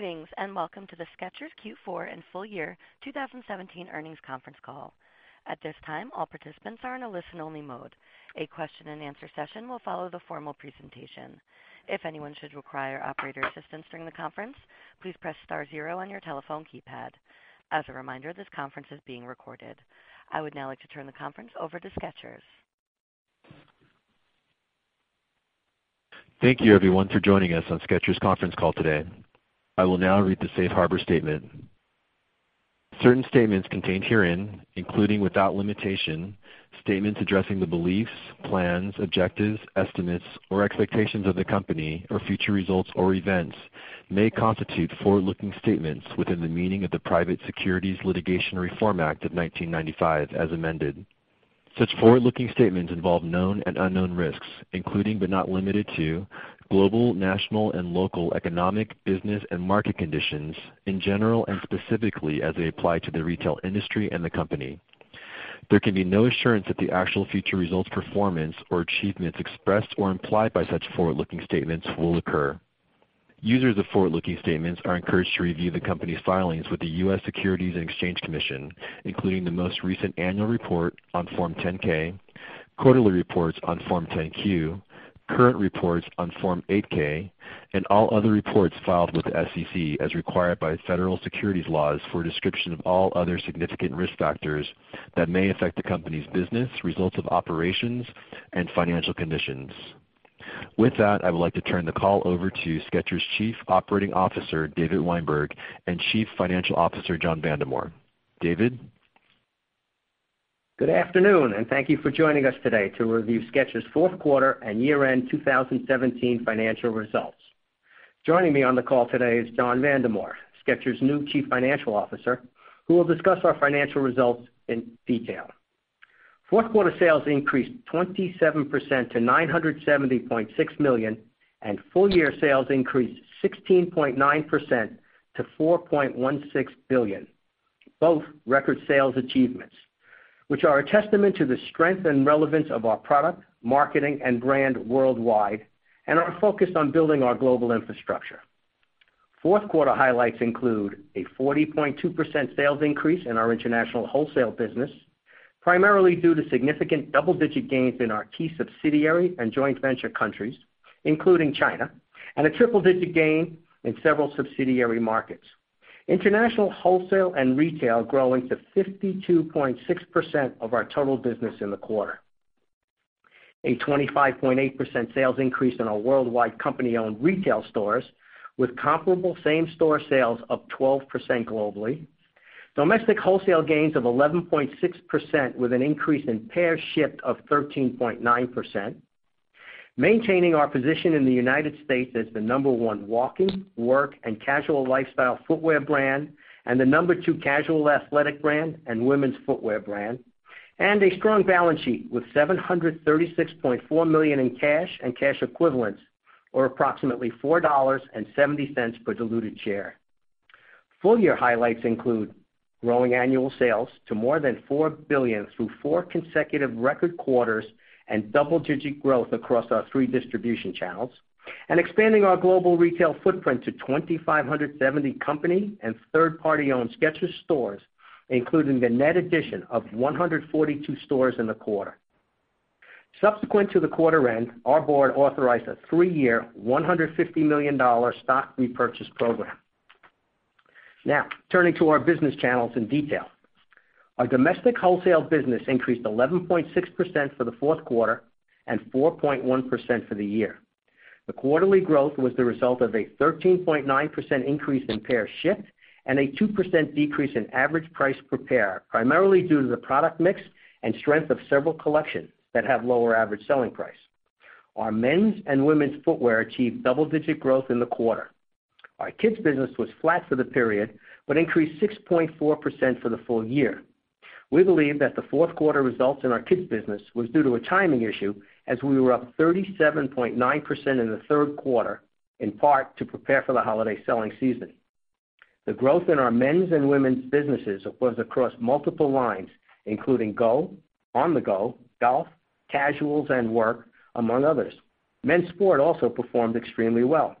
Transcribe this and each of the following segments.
Greetings, welcome to the Skechers Q4 and full year 2017 earnings conference call. At this time, all participants are in a listen-only mode. A question-and-answer session will follow the formal presentation. If anyone should require operator assistance during the conference, please press star 0 on your telephone keypad. As a reminder, this conference is being recorded. I would now like to turn the conference over to Skechers. Thank you, everyone, for joining us on Skechers' conference call today. I will now read the safe harbor statement. Certain statements contained herein, including without limitation, statements addressing the beliefs, plans, objectives, estimates, or expectations of the company or future results or events, may constitute forward-looking statements within the meaning of the Private Securities Litigation Reform Act of 1995 as amended. Such forward-looking statements involve known and unknown risks, including but not limited to global, national, and local economic, business, and market conditions in general and specifically as they apply to the retail industry and the company. There can be no assurance that the actual future results, performance, or achievements expressed or implied by such forward-looking statements will occur. Users of forward-looking statements are encouraged to review the company's filings with the U.S. Securities and Exchange Commission, including the most recent annual report on Form 10-K, quarterly reports on Form 10-Q, current reports on Form 8-K, and all other reports filed with the SEC as required by federal securities laws for a description of all other significant risk factors that may affect the company's business, results of operations, and financial conditions. With that, I would like to turn the call over to Skechers' Chief Operating Officer, David Weinberg, and Chief Financial Officer, John Vandemore. David? Good afternoon, thank you for joining us today to review Skechers' fourth quarter and year-end 2017 financial results. Joining me on the call today is John Vandemore, Skechers' new Chief Financial Officer, who will discuss our financial results in detail. Fourth quarter sales increased 27% to $970.6 million, and full-year sales increased 16.9% to $4.16 billion. Both record sales achievements, which are a testament to the strength and relevance of our product, marketing, and brand worldwide, and our focus on building our global infrastructure. Fourth quarter highlights include a 40.2% sales increase in our international wholesale business, primarily due to significant double-digit gains in our key subsidiary and joint venture countries, including China, and a triple-digit gain in several subsidiary markets. International wholesale and retail growing to 52.6% of our total business in the quarter. A 25.8% sales increase in our worldwide company-owned retail stores, with comparable same-store sales up 12% globally. Domestic wholesale gains of 11.6% with an increase in pairs shipped of 13.9%. Maintaining our position in the U.S. as the number 1 walking, work, and casual lifestyle footwear brand and the number 2 casual athletic brand and women's footwear brand. A strong balance sheet with $736.4 million in cash and cash equivalents, or approximately $4.70 per diluted share. Full year highlights include growing annual sales to more than $4 billion through four consecutive record quarters and double-digit growth across our three distribution channels, and expanding our global retail footprint to 2,570 company and third party-owned Skechers stores, including the net addition of 142 stores in the quarter. Subsequent to the quarter end, our board authorized a three-year, $150 million stock repurchase program. Now, turning to our business channels in detail. Our domestic wholesale business increased 11.6% for the fourth quarter and 4.1% for the year. The quarterly growth was the result of a 13.9% increase in pairs shipped and a 2% decrease in average price per pair, primarily due to the product mix and strength of several collections that have lower average selling price. Our men's and women's footwear achieved double-digit growth in the quarter. Our kids business was flat for the period but increased 6.4% for the full year. We believe that the fourth quarter results in our kids business was due to a timing issue, as we were up 37.9% in the third quarter, in part to prepare for the holiday selling season. The growth in our men's and women's businesses was across multiple lines, including GO, On-the-GO, golf, casuals, and work, among others. Men's sport also performed extremely well.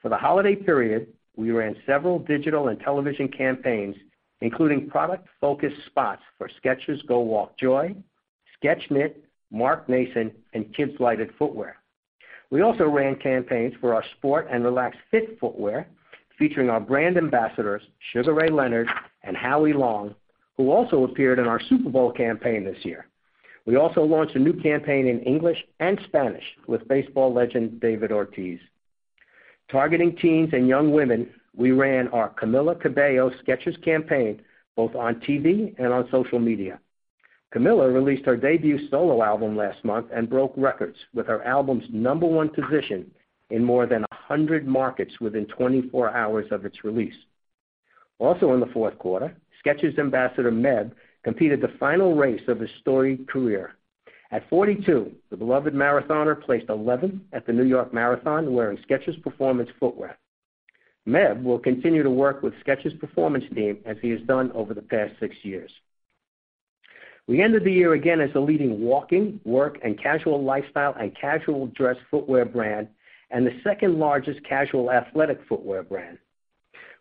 For the holiday period, we ran several digital and television campaigns, including product-focused spots for Skechers GO WALK Joy, Skech-Knit, Mark Nason, and Kids Lighted footwear. We also ran campaigns for our sport and Relaxed Fit footwear, featuring our brand ambassadors Sugar Ray Leonard and Howie Long, who also appeared in our Super Bowl campaign this year. We also launched a new campaign in English and Spanish with baseball legend David Ortiz. Targeting teens and young women, we ran our Camila Cabello Skechers campaign both on TV and on social media. Camila released her debut solo album last month and broke records with her album's number 1 position in more than 100 markets within 24 hours of its release. Also in the fourth quarter, Skechers ambassador Meb competed the final race of his storied career. At 42, the beloved marathoner placed 11th at the New York City Marathon wearing Skechers Performance footwear. Meb will continue to work with Skechers Performance team as he has done over the past six years. We ended the year again as the leading walking, work, and casual lifestyle and casual dress footwear brand, and the second-largest casual athletic footwear brand.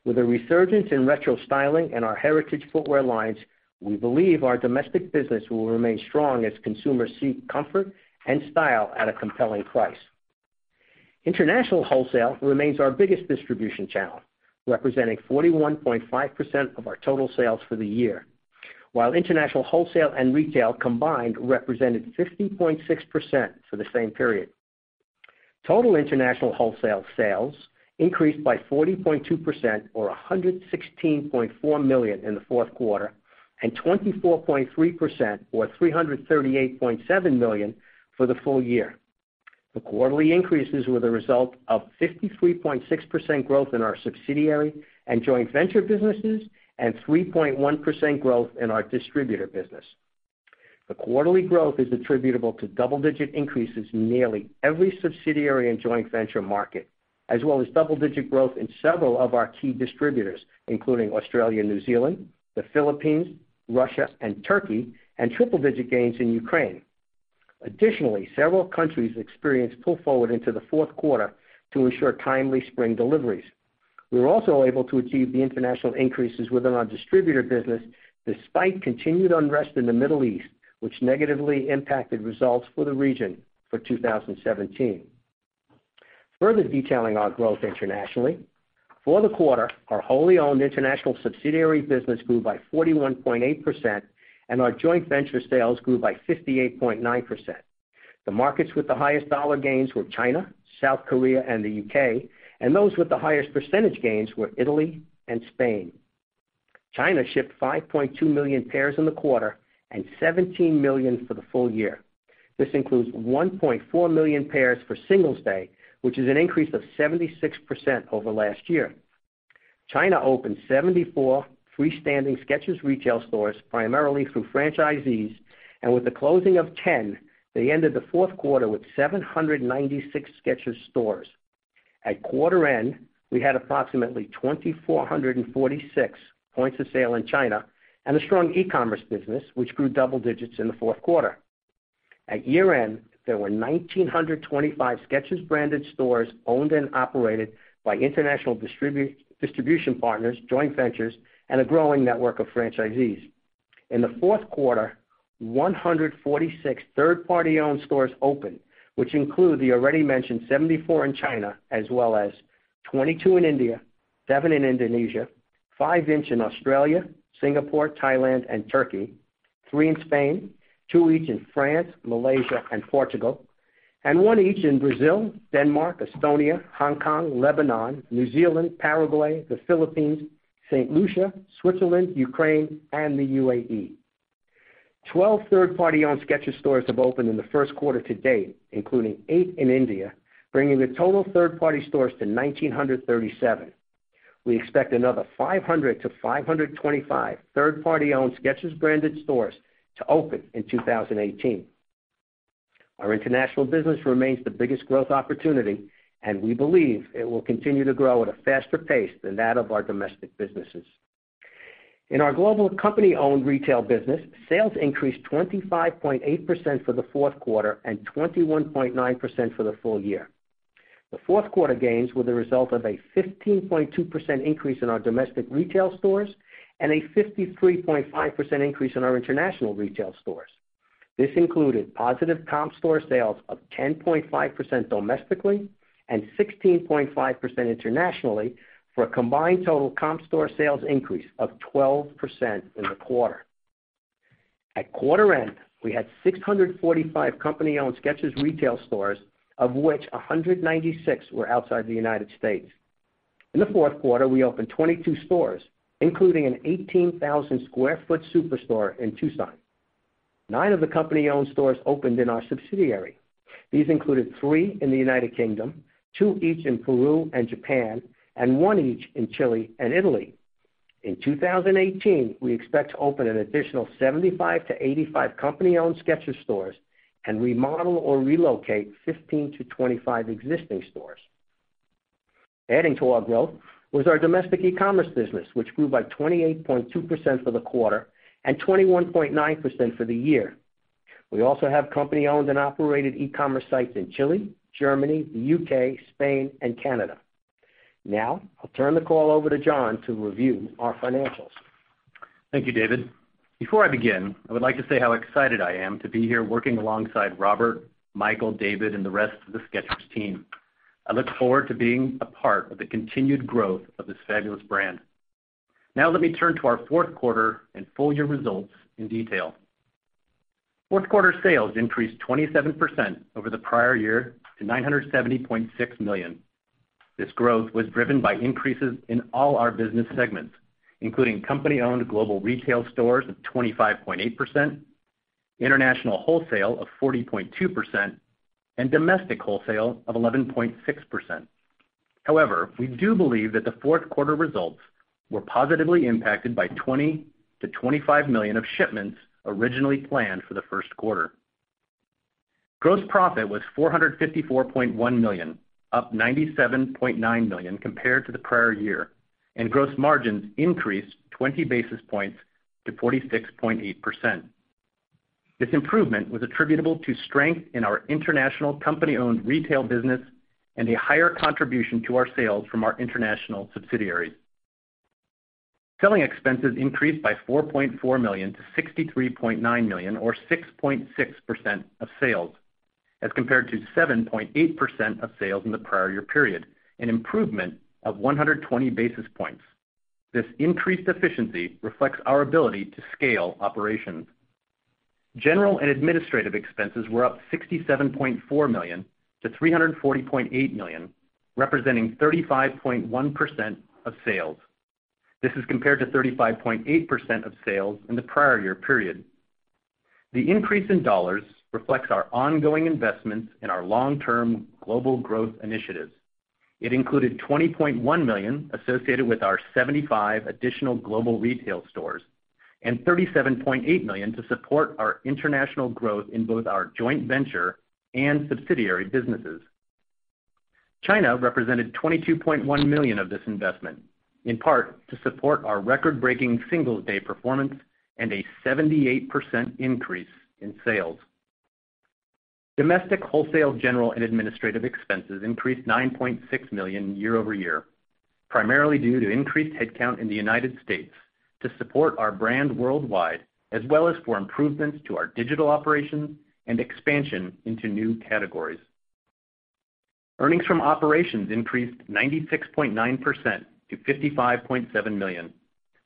With a resurgence in retro styling in our heritage footwear lines, we believe our domestic business will remain strong as consumers seek comfort and style at a compelling price. International wholesale remains our biggest distribution channel, representing 41.5% of our total sales for the year, while international wholesale and retail combined represented 50.6% for the same period. Total international wholesale sales increased by 40.2%, or $116.4 million in the fourth quarter, and 24.3%, or $338.7 million for the full year. The quarterly increases were the result of 53.6% growth in our subsidiary and joint venture businesses, and 3.1% growth in our distributor business. The quarterly growth is attributable to double-digit increases in nearly every subsidiary and joint venture market, as well as double-digit growth in several of our key distributors, including Australia, New Zealand, the Philippines, Russia, and Turkey, and triple-digit gains in Ukraine. Additionally, several countries experienced pull forward into the fourth quarter to ensure timely spring deliveries. We were also able to achieve the international increases within our distributor business, despite continued unrest in the Middle East, which negatively impacted results for the region for 2017. Further detailing our growth internationally, for the quarter, our wholly owned international subsidiary business grew by 41.8%, and our joint venture sales grew by 58.9%. The markets with the highest dollar gains were China, South Korea, and the U.K., and those with the highest percentage gains were Italy and Spain. China shipped 5.2 million pairs in the quarter, and 17 million for the full year. This includes 1.4 million pairs for Singles' Day, which is an increase of 76% over last year. China opened 74 freestanding Skechers retail stores, primarily through franchisees, and with the closing of 10, they ended the fourth quarter with 796 Skechers stores. At quarter end, we had approximately 2,446 points of sale in China and a strong e-commerce business, which grew double digits in the fourth quarter. At year-end, there were 1,925 Skechers-branded stores owned and operated by international distribution partners, joint ventures, and a growing network of franchisees. In the fourth quarter, 146 third-party owned stores opened, which include the already mentioned 74 in China, as well as 22 in India, seven in Indonesia, five each in Australia, Singapore, Thailand, and Turkey, three in Spain, two each in France, Malaysia, and Portugal, and one each in Brazil, Denmark, Estonia, Hong Kong, Lebanon, New Zealand, Paraguay, the Philippines, St. Lucia, Switzerland, Ukraine, and the U.A.E. 12 third-party owned Skechers stores have opened in the first quarter to date, including eight in India, bringing the total third-party stores to 1,937. We expect another 500 to 525 third-party owned Skechers-branded stores to open in 2018. Our international business remains the biggest growth opportunity, and we believe it will continue to grow at a faster pace than that of our domestic businesses. In our global company-owned retail business, sales increased 25.8% for the fourth quarter and 21.9% for the full year. The fourth quarter gains were the result of a 15.2% increase in our domestic retail stores and a 53.5% increase in our international retail stores. This included positive comp store sales of 10.5% domestically and 16.5% internationally for a combined total comp store sales increase of 12% in the quarter. At quarter end, we had 645 company-owned Skechers retail stores, of which 196 were outside the United States. In the fourth quarter, we opened 22 stores, including an 18,000 square foot superstore in Tucson. Nine of the company-owned stores opened in our subsidiary. These included three in the United Kingdom, two each in Peru and Japan, and one each in Chile and Italy. In 2018, we expect to open an additional 75 to 85 company-owned Skechers stores and remodel or relocate 15 to 25 existing stores. Adding to our growth was our domestic e-commerce business, which grew by 28.2% for the quarter and 21.9% for the year. We also have company-owned and operated e-commerce sites in Chile, Germany, the U.K., Spain, and Canada. I'll turn the call over to John to review our financials. Thank you, David. Before I begin, I would like to say how excited I am to be here working alongside Robert, Michael, David, and the rest of the Skechers team. I look forward to being a part of the continued growth of this fabulous brand. Let me turn to our fourth quarter and full year results in detail. Fourth quarter sales increased 27% over the prior year to $970.6 million. This growth was driven by increases in all our business segments, including company-owned global retail stores of 25.8%, international wholesale of 40.2%, and domestic wholesale of 11.6%. We do believe that the fourth quarter results were positively impacted by $20 million-$25 million of shipments originally planned for the first quarter. Gross profit was $454.1 million, up $97.9 million compared to the prior year, and gross margins increased 20 basis points to 46.8%. This improvement was attributable to strength in our international company-owned retail business and a higher contribution to our sales from our international subsidiaries. Selling expenses increased by $4.4 million to $63.9 million or 6.6% of sales as compared to 7.8% of sales in the prior year period, an improvement of 120 basis points. This increased efficiency reflects our ability to scale operations. General and administrative expenses were up $67.4 million to $340.8 million, representing 35.1% of sales. This is compared to 35.8% of sales in the prior year period. The increase in dollars reflects our ongoing investments in our long-term global growth initiatives. It included $20.1 million associated with our 75 additional global retail stores and $37.8 million to support our international growth in both our joint venture and subsidiary businesses. China represented $22.1 million of this investment, in part to support our record-breaking Singles' Day performance and a 78% increase in sales. Domestic wholesale general and administrative expenses increased $9.6 million year-over-year, primarily due to increased headcount in the U.S. to support our brand worldwide, as well as for improvements to our digital operations and expansion into new categories. Earnings from operations increased 96.9% to $55.7 million,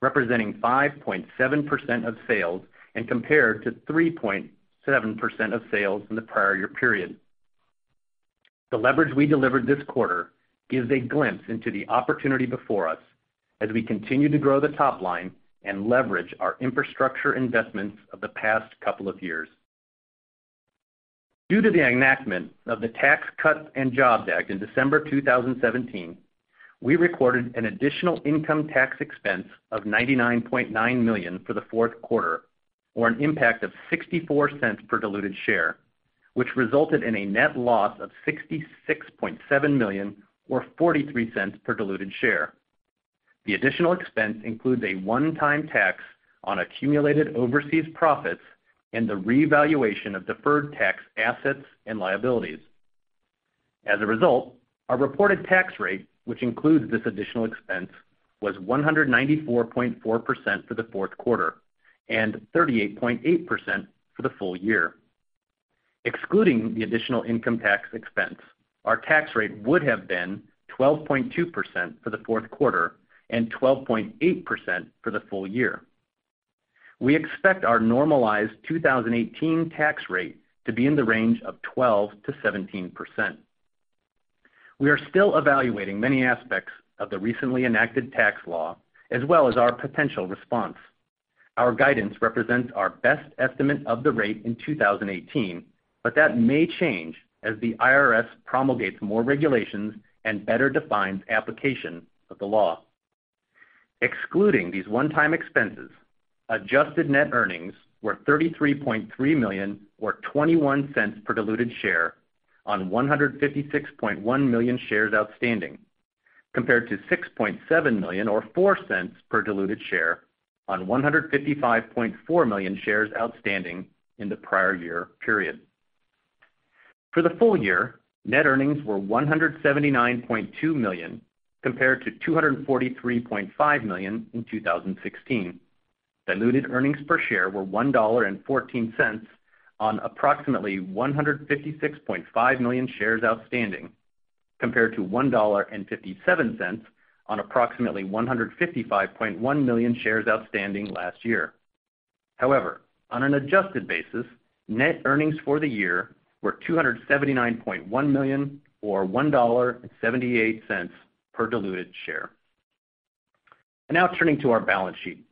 representing 5.7% of sales and compared to 3.7% of sales in the prior year period. The leverage we delivered this quarter gives a glimpse into the opportunity before us as we continue to grow the top line and leverage our infrastructure investments of the past couple of years. Due to the enactment of the Tax Cuts and Jobs Act in December 2017, we recorded an additional income tax expense of $99.9 million for the fourth quarter or an impact of $0.64 per diluted share, which resulted in a net loss of $66.7 million or $0.43 per diluted share. The additional expense includes a one-time tax on accumulated overseas profits and the revaluation of deferred tax assets and liabilities. As a result, our reported tax rate, which includes this additional expense, was 194.4% for the fourth quarter and 38.8% for the full year. Excluding the additional income tax expense, our tax rate would have been 12.2% for the fourth quarter and 12.8% for the full year. We expect our normalized 2018 tax rate to be in the range of 12%-17%. We are still evaluating many aspects of the recently enacted tax law as well as our potential response. Our guidance represents our best estimate of the rate in 2018, that may change as the IRS promulgates more regulations and better defines application of the law. Excluding these one-time expenses, adjusted net earnings were $33.3 million or $0.21 per diluted share on 156.1 million shares outstanding, compared to $6.7 million or $0.04 per diluted share on 155.4 million shares outstanding in the prior year period. For the full year, net earnings were $179.2 million, compared to $243.5 million in 2016. Diluted earnings per share were $1.14 on approximately 156.5 million shares outstanding, compared to $1.57 on approximately 155.1 million shares outstanding last year. However, on an adjusted basis, net earnings for the year were $279.1 million or $1.78 per diluted share. Now turning to our balance sheet.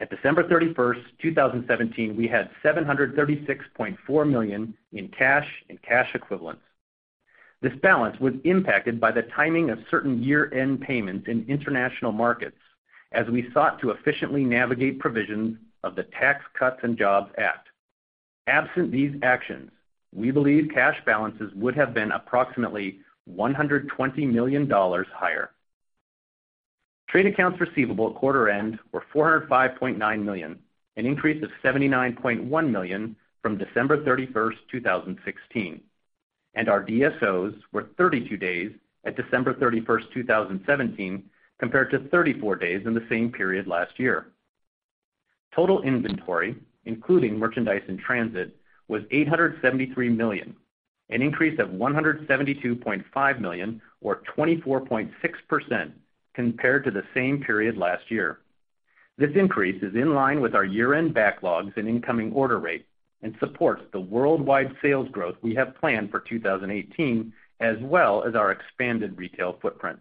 At December 31st, 2017, we had $736.4 million in cash and cash equivalents. This balance was impacted by the timing of certain year-end payments in international markets as we sought to efficiently navigate provisions of the Tax Cuts and Jobs Act. Absent these actions, we believe cash balances would have been approximately $120 million higher. Trade accounts receivable at quarter end were $405.9 million, an increase of $79.1 million from December 31st, 2016, and our DSOs were 32 days at December 31st, 2017, compared to 34 days in the same period last year. Total inventory, including merchandise in transit, was $873 million, an increase of $172.5 million or 24.6% compared to the same period last year. This increase is in line with our year-end backlogs and incoming order rate and supports the worldwide sales growth we have planned for 2018, as well as our expanded retail footprint.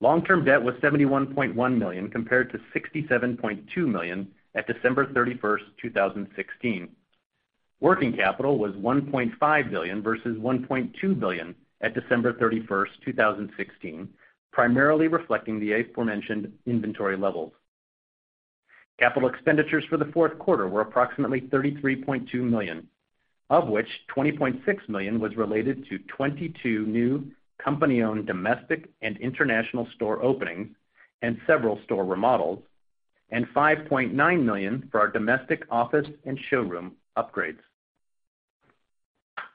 Long-term debt was $71.1 million compared to $67.2 million at December 31st, 2016. Working capital was $1.5 billion versus $1.2 billion at December 31st, 2016, primarily reflecting the aforementioned inventory levels. Capital expenditures for the fourth quarter were approximately $33.2 million, of which $20.6 million was related to 22 new company-owned domestic and international store openings and several store remodels, and $5.9 million for our domestic office and showroom upgrades.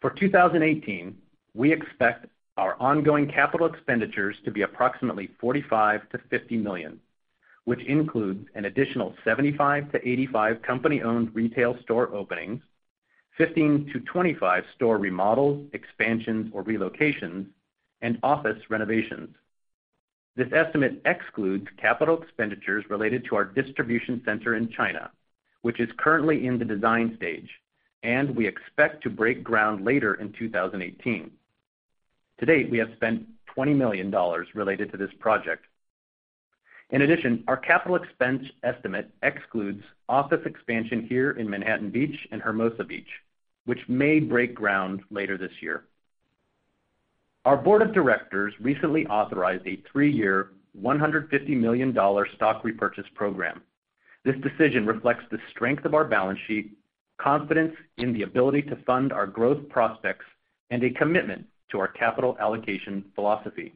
For 2018, we expect our ongoing capital expenditures to be approximately $45 million-$50 million, which includes an additional 75-85 company-owned retail store openings, 15-25 store remodels, expansions, or relocations, and office renovations. This estimate excludes capital expenditures related to our distribution center in China, which is currently in the design stage, and we expect to break ground later in 2018. To date, we have spent $20 million related to this project. In addition, our capital expense estimate excludes office expansion here in Manhattan Beach and Hermosa Beach, which may break ground later this year. Our board of directors recently authorized a three-year, $150 million stock repurchase program. This decision reflects the strength of our balance sheet, confidence in the ability to fund our growth prospects, and a commitment to our capital allocation philosophy.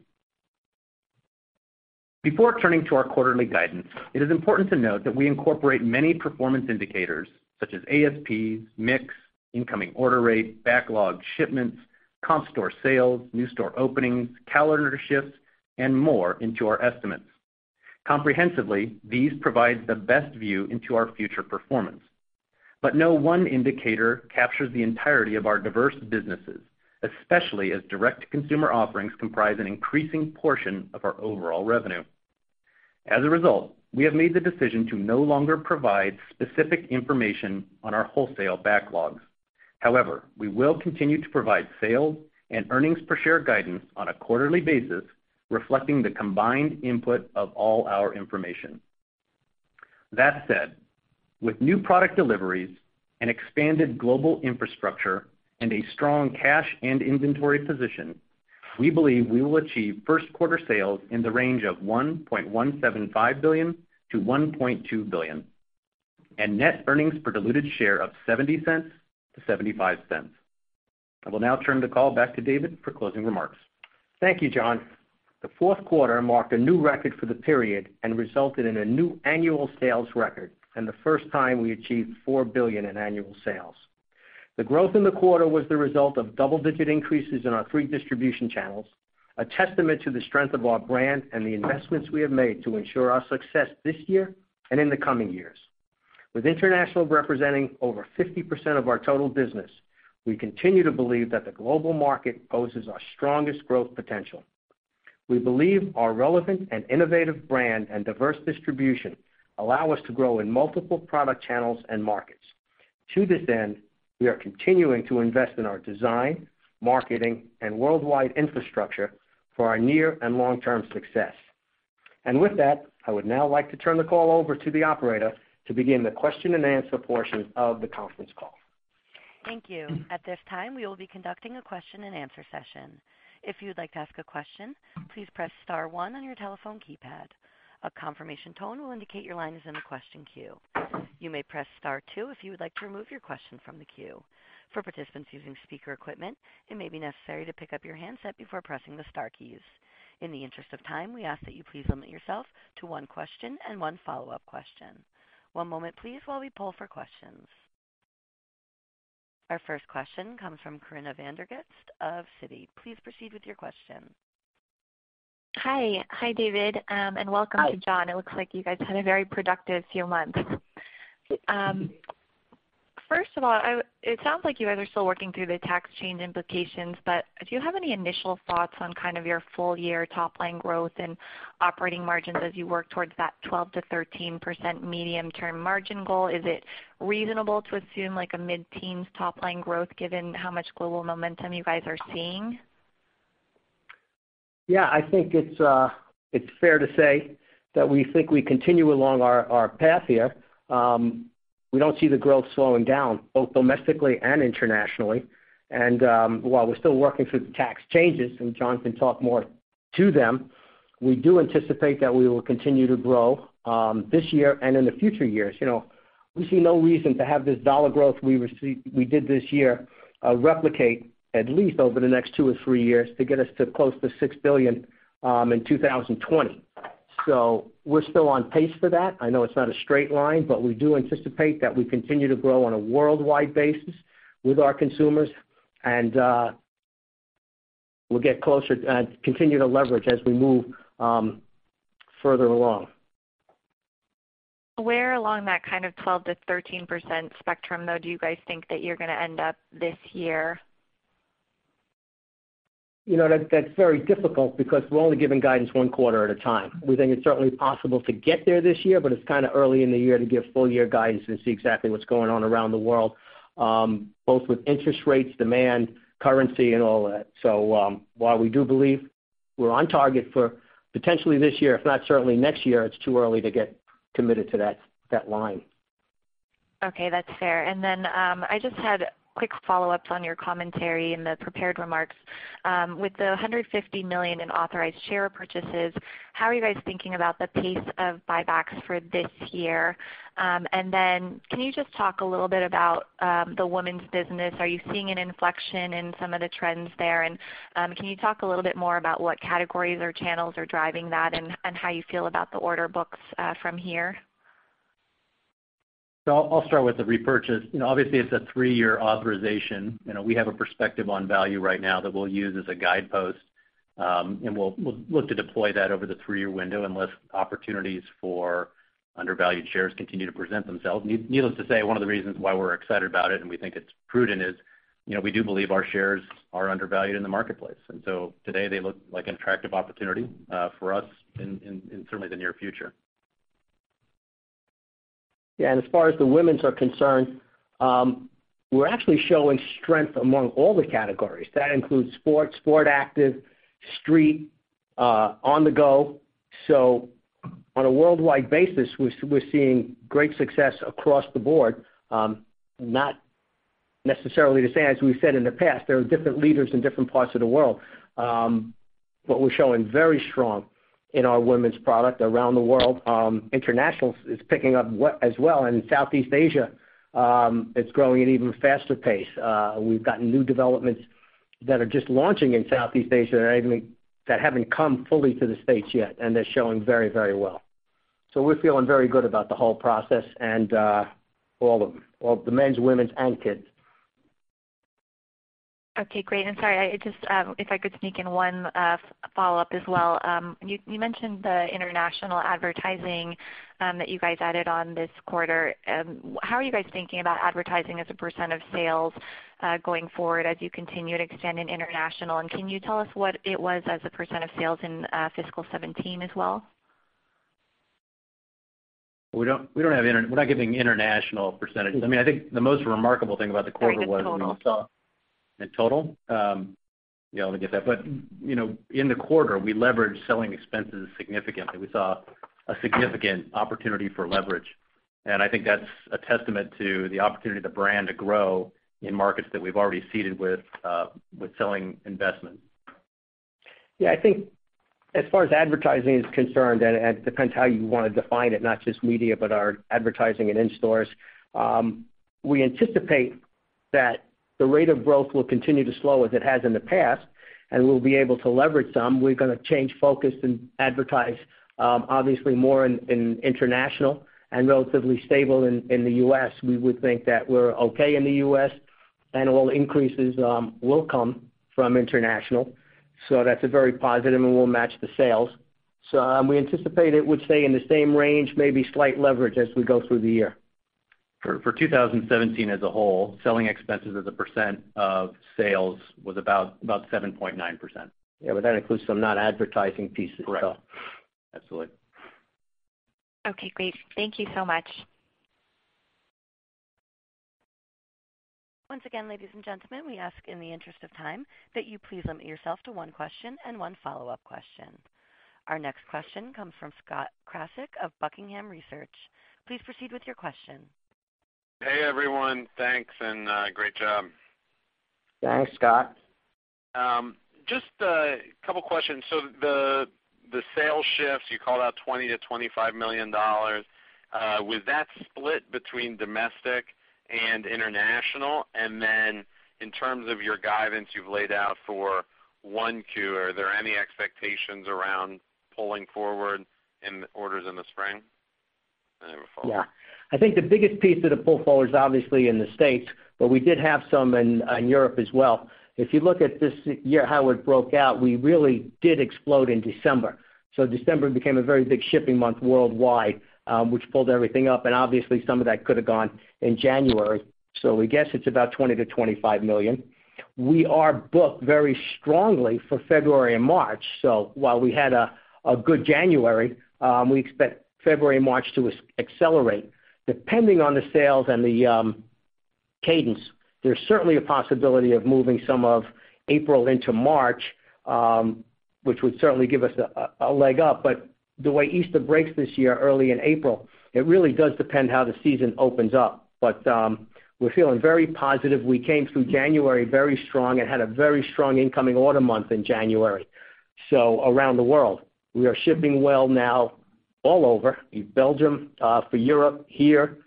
Before turning to our quarterly guidance, it is important to note that we incorporate many performance indicators such as ASPs, mix, incoming order rate, backlog shipments, comp store sales, new store openings, calendar shifts, and more into our estimates. Comprehensively, these provide the best view into our future performance. No one indicator captures the entirety of our diverse businesses, especially as direct-to-consumer offerings comprise an increasing portion of our overall revenue. As a result, we have made the decision to no longer provide specific information on our wholesale backlogs. However, we will continue to provide sales and earnings per share guidance on a quarterly basis, reflecting the combined input of all our information. That said, with new product deliveries, an expanded global infrastructure, and a strong cash and inventory position, we believe we will achieve first quarter sales in the range of $1.175 billion to $1.2 billion, and net earnings per diluted share of $0.70 to $0.75. I will now turn the call back to David for closing remarks. Thank you, John. The fourth quarter marked a new record for the period and resulted in a new annual sales record, and the first time we achieved $4 billion in annual sales. The growth in the quarter was the result of double-digit increases in our three distribution channels, a testament to the strength of our brand and the investments we have made to ensure our success this year and in the coming years. With international representing over 50% of our total business, we continue to believe that the global market poses our strongest growth potential. We believe our relevant and innovative brand and diverse distribution allow us to grow in multiple product channels and markets. To this end, we are continuing to invest in our design, marketing, and worldwide infrastructure for our near and long-term success. With that, I would now like to turn the call over to the operator to begin the question and answer portion of the conference call. Thank you. At this time, we will be conducting a question and answer session. If you would like to ask a question, please press star one on your telephone keypad. A confirmation tone will indicate your line is in the question queue. You may press star two if you would like to remove your question from the queue. For participants using speaker equipment, it may be necessary to pick up your handset before pressing the star keys. In the interest of time, we ask that you please limit yourself to one question and one follow-up question. One moment, please, while we poll for questions. Our first question comes from Corinna Van der Ghinst of Citi. Please proceed with your question. Hi, David, and welcome to John. It looks like you guys had a very productive few months. First of all, it sounds like you guys are still working through the tax change implications, do you have any initial thoughts on kind of your full-year top-line growth and operating margins as you work towards that 12%-13% medium-term margin goal? Is it reasonable to assume a mid-teens top-line growth given how much global momentum you guys are seeing? Yeah, I think it's fair to say that we think we continue along our path here. We don't see the growth slowing down, both domestically and internationally. While we're still working through the tax changes, and John can talk more to them, we do anticipate that we will continue to grow this year and in the future years. We see no reason to have this dollar growth we did this year replicate at least over the next two or three years to get us to close to $6 billion in 2020. We're still on pace for that. I know it's not a straight line, we do anticipate that we continue to grow on a worldwide basis with our consumers, and we'll get closer and continue to leverage as we move further along. Where along that kind of 12%-13% spectrum, though, do you guys think that you're going to end up this year? That's very difficult because we're only giving guidance one quarter at a time. We think it's certainly possible to get there this year, but it's kind of early in the year to give full year guidance and see exactly what's going on around the world, both with interest rates, demand, currency, and all that. While we do believe we're on target for potentially this year, if not certainly next year, it's too early to get committed to that line. Okay, that's fair. I just had quick follow-ups on your commentary in the prepared remarks. With the $150 million in authorized share purchases, how are you guys thinking about the pace of buybacks for this year? Can you just talk a little bit about the women's business. Are you seeing an inflection in some of the trends there? Can you talk a little bit more about what categories or channels are driving that and how you feel about the order books from here? I'll start with the repurchase. Obviously, it's a three-year authorization. We have a perspective on value right now that we'll use as a guidepost, and we'll look to deploy that over the three-year window unless opportunities for undervalued shares continue to present themselves. Needless to say, one of the reasons why we're excited about it, and we think it's prudent is, we do believe our shares are undervalued in the marketplace. Today they look like an attractive opportunity for us in certainly the near future. Yeah. As far as the women's are concerned, we're actually showing strength among all the categories. That includes sports, sport active, street, On-the-Go. On a worldwide basis, we're seeing great success across the board. Not necessarily to say, as we've said in the past, there are different leaders in different parts of the world. We're showing very strong in our women's product around the world. International is picking up as well, Southeast Asia, it's growing at an even faster pace. We've gotten new developments that are just launching in Southeast Asia that haven't come fully to the U.S. yet, they're showing very well. We're feeling very good about the whole process and all the men's, women's, and kids. Okay, great. Sorry, if I could sneak in one follow-up as well. You mentioned the international advertising that you guys added on this quarter. How are you guys thinking about advertising as a % of sales going forward as you continue to expand in international, and can you tell us what it was as a % of sales in fiscal 2017 as well? We're not giving international %s. I think the most remarkable thing about the quarter was. Just total in total. Yeah, let me get that. In the quarter, we leveraged selling expenses significantly. We saw a significant opportunity for leverage, and I think that's a testament to the opportunity of the brand to grow in markets that we've already seeded with selling investment. I think as far as advertising is concerned, it depends how you want to define it, not just media, but our advertising and in stores. We anticipate that the rate of growth will continue to slow as it has in the past, we'll be able to leverage some. We're going to change focus and advertise obviously more in international and relatively stable in the U.S. We would think that we're okay in the U.S., all increases will come from international. That's very positive, we'll match the sales. We anticipate it would stay in the same range, maybe slight leverage as we go through the year. For 2017 as a whole, selling expenses as a % of sales was about 7.9%. That includes some not advertising pieces. Correct. Absolutely. Okay, great. Thank you so much. Once again, ladies and gentlemen, we ask in the interest of time that you please limit yourself to one question and one follow-up question. Our next question comes from Scott Krasik of Buckingham Research. Please proceed with your question. Hey, everyone. Thanks, and great job. Thanks, Scott. Just a couple of questions. The sales shifts, you called out $20 million to $25 million. Was that split between domestic and international? In terms of your guidance you've laid out for 1Q, are there any expectations around pulling forward in orders in the spring? I have a follow-up. Yeah. I think the biggest piece of the pull forward is obviously in the U.S., but we did have some in Europe as well. If you look at this year, how it broke out, we really did explode in December. December became a very big shipping month worldwide, which pulled everything up, and obviously some of that could have gone in January. We guess it's about $20 million to $25 million. We are booked very strongly for February and March. While we had a good January, we expect February and March to accelerate. Depending on the sales and the cadence, there's certainly a possibility of moving some of April into March, which would certainly give us a leg up. The way Easter breaks this year, early in April, it really does depend how the season opens up. We're feeling very positive. We came through January very strong and had a very strong incoming order month in January. Around the world. We are shipping well now all over. In Belgium, for Europe, here,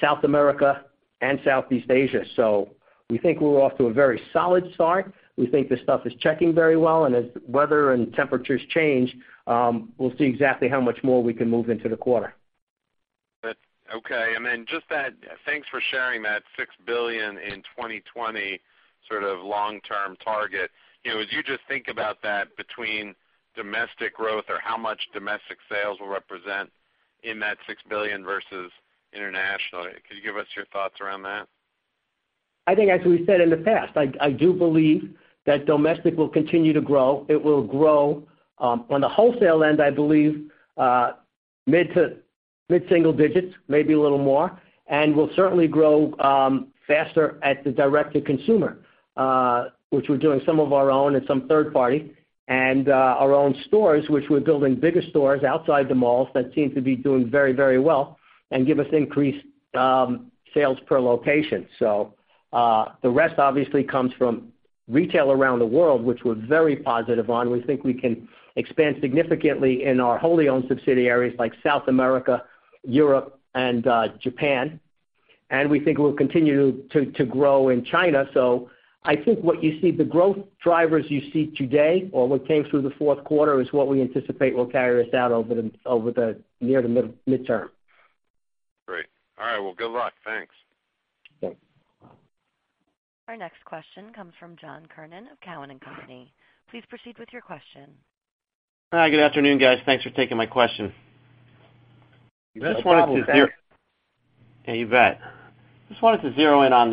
South America and Southeast Asia. We think we're off to a very solid start. We think the stuff is checking very well, and as weather and temperatures change, we'll see exactly how much more we can move into the quarter. Okay. Thanks for sharing that $6 billion in 2020 sort of long-term target. As you just think about that between domestic growth or how much domestic sales will represent in that $6 billion versus international, could you give us your thoughts around that? I think as we said in the past, I do believe that domestic will continue to grow. It will grow on the wholesale end, I believe, mid-single digits, maybe a little more, and will certainly grow faster at the direct-to-consumer. Which we're doing some of our own and some third party, and our own stores, which we're building bigger stores outside the malls that seem to be doing very well and give us increased sales per location. The rest obviously comes from retail around the world, which we're very positive on. We think we can expand significantly in our wholly owned subsidiaries like South America, Europe, and Japan, and we think we'll continue to grow in China. I think what you see, the growth drivers you see today or what came through the fourth quarter is what we anticipate will carry us out over the near to midterm. Great. All right, well, good luck. Thanks. Thanks. Our next question comes from John Kernan of Cowen and Company. Please proceed with your question. Hi, good afternoon, guys. Thanks for taking my question. No problem, John. Yeah, you bet. Just wanted to zero in on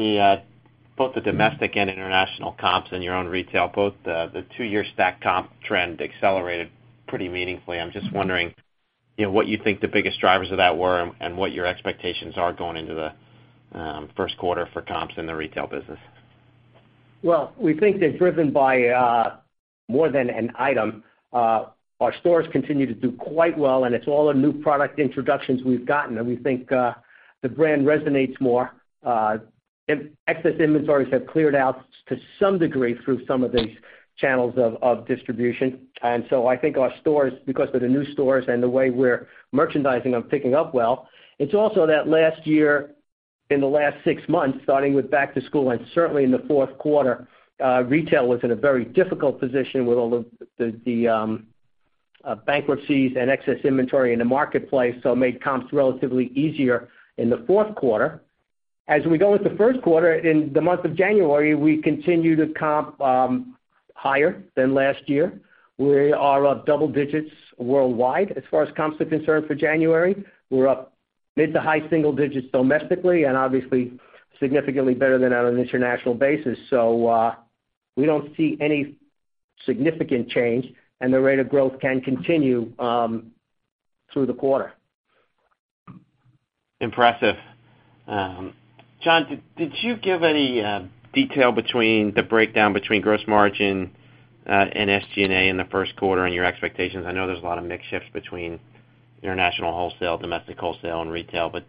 both the domestic and international comps in your own retail. Both the two-year stacked comp trend accelerated pretty meaningfully. I'm just wondering what you think the biggest drivers of that were and what your expectations are going into the first quarter for comps in the retail business. Well, we think they're driven by more than an item. Our stores continue to do quite well, and it's all the new product introductions we've gotten, and we think the brand resonates more. Excess inventories have cleared out to some degree through some of these channels of distribution. I think our stores, because of the new stores and the way we're merchandising, are picking up well. It's also that last year, in the last six months, starting with back to school and certainly in the fourth quarter, retail was in a very difficult position with all of the bankruptcies and excess inventory in the marketplace, so it made comps relatively easier in the fourth quarter. As we go into the first quarter, in the month of January, we continue to comp higher than last year. We are up double digits worldwide as far as comps are concerned for January. We're up mid to high single digits domestically and obviously significantly better than on an international basis. We don't see any significant change, and the rate of growth can continue through the quarter. Impressive. John, did you give any detail between the breakdown between gross margin and SG&A in the first quarter and your expectations? I know there's a lot of mix shifts between international wholesale, domestic wholesale, and retail, but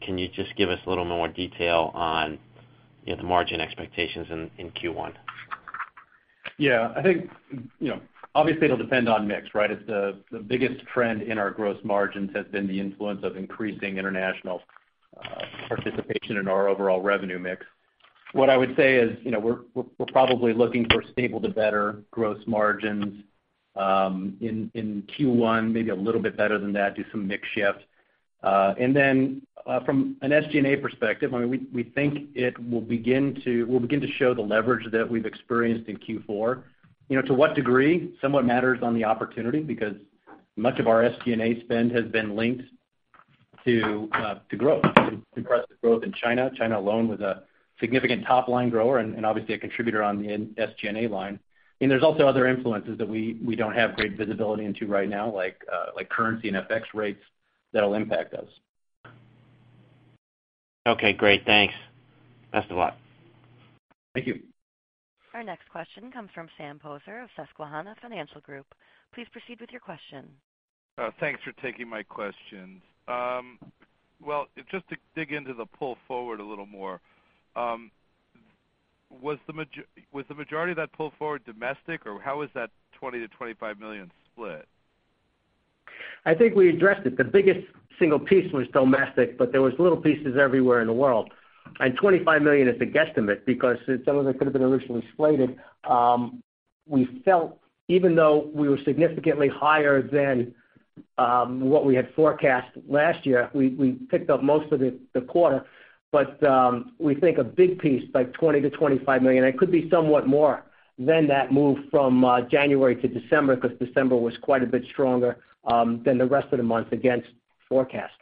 can you just give us a little more detail on the margin expectations in Q1? Yeah, I think, obviously, it'll depend on mix, right? The biggest trend in our gross margins has been the influence of increasing international participation in our overall revenue mix. What I would say is we're probably looking for stable to better gross margins in Q1, maybe a little bit better than that, do some mix shift. From an SG&A perspective, we think it will begin to show the leverage that we've experienced in Q4. To what degree? Somewhat matters on the opportunity because much of our SG&A spend has been linked to growth. Impressive growth in China. China alone was a significant top-line grower and obviously a contributor on the SG&A line. There's also other influences that we don't have great visibility into right now, like currency and FX rates that'll impact us. Okay, great. Thanks. Best of luck. Thank you. Our next question comes from Sam Poser of Susquehanna Financial Group. Please proceed with your question. Thanks for taking my questions. Well, just to dig into the pull forward a little more. Was the majority of that pull forward domestic, or how was that $20 million-$25 million split? I think we addressed it. The biggest single piece was domestic, but there was little pieces everywhere in the world. $25 million is a guesstimate because some of it could have been originally slated. We felt, even though we were significantly higher than what we had forecast last year, we picked up most of it the quarter. We think a big piece, like $20 million-$25 million, it could be somewhat more than that moved from January to December because December was quite a bit stronger than the rest of the months against forecast.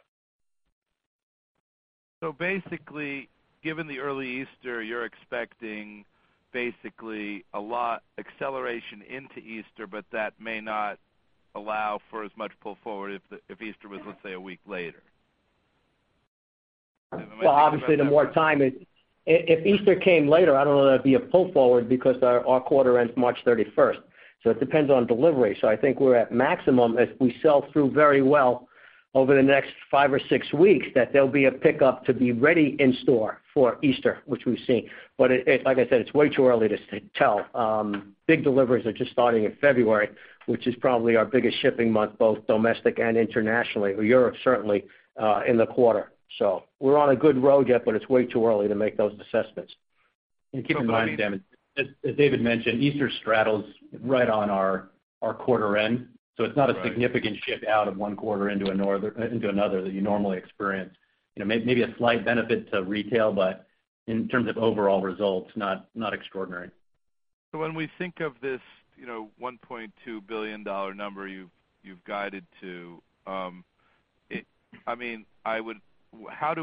Basically, given the early Easter, you're expecting basically a lot acceleration into Easter, but that may not allow for as much pull forward if Easter was, let's say, a week later. Well, obviously If Easter came later, I don't know if that'd be a pull forward because our quarter ends March 31st, it depends on delivery. I think we're at maximum. If we sell through very well over the next five or six weeks, that there'll be a pickup to be ready in store for Easter, which we've seen. Like I said, it's way too early to tell. Big deliveries are just starting in February, which is probably our biggest shipping month, both domestic and internationally, or Europe certainly, in the quarter. We're on a good road yet, but it's way too early to make those assessments. Keep in mind, Sam, as David mentioned, Easter straddles right on our quarter end. It's not a significant shift out of one quarter into another that you normally experience. Maybe a slight benefit to retail, but in terms of overall results, not extraordinary. When we think of this $1.2 billion number you've guided to, how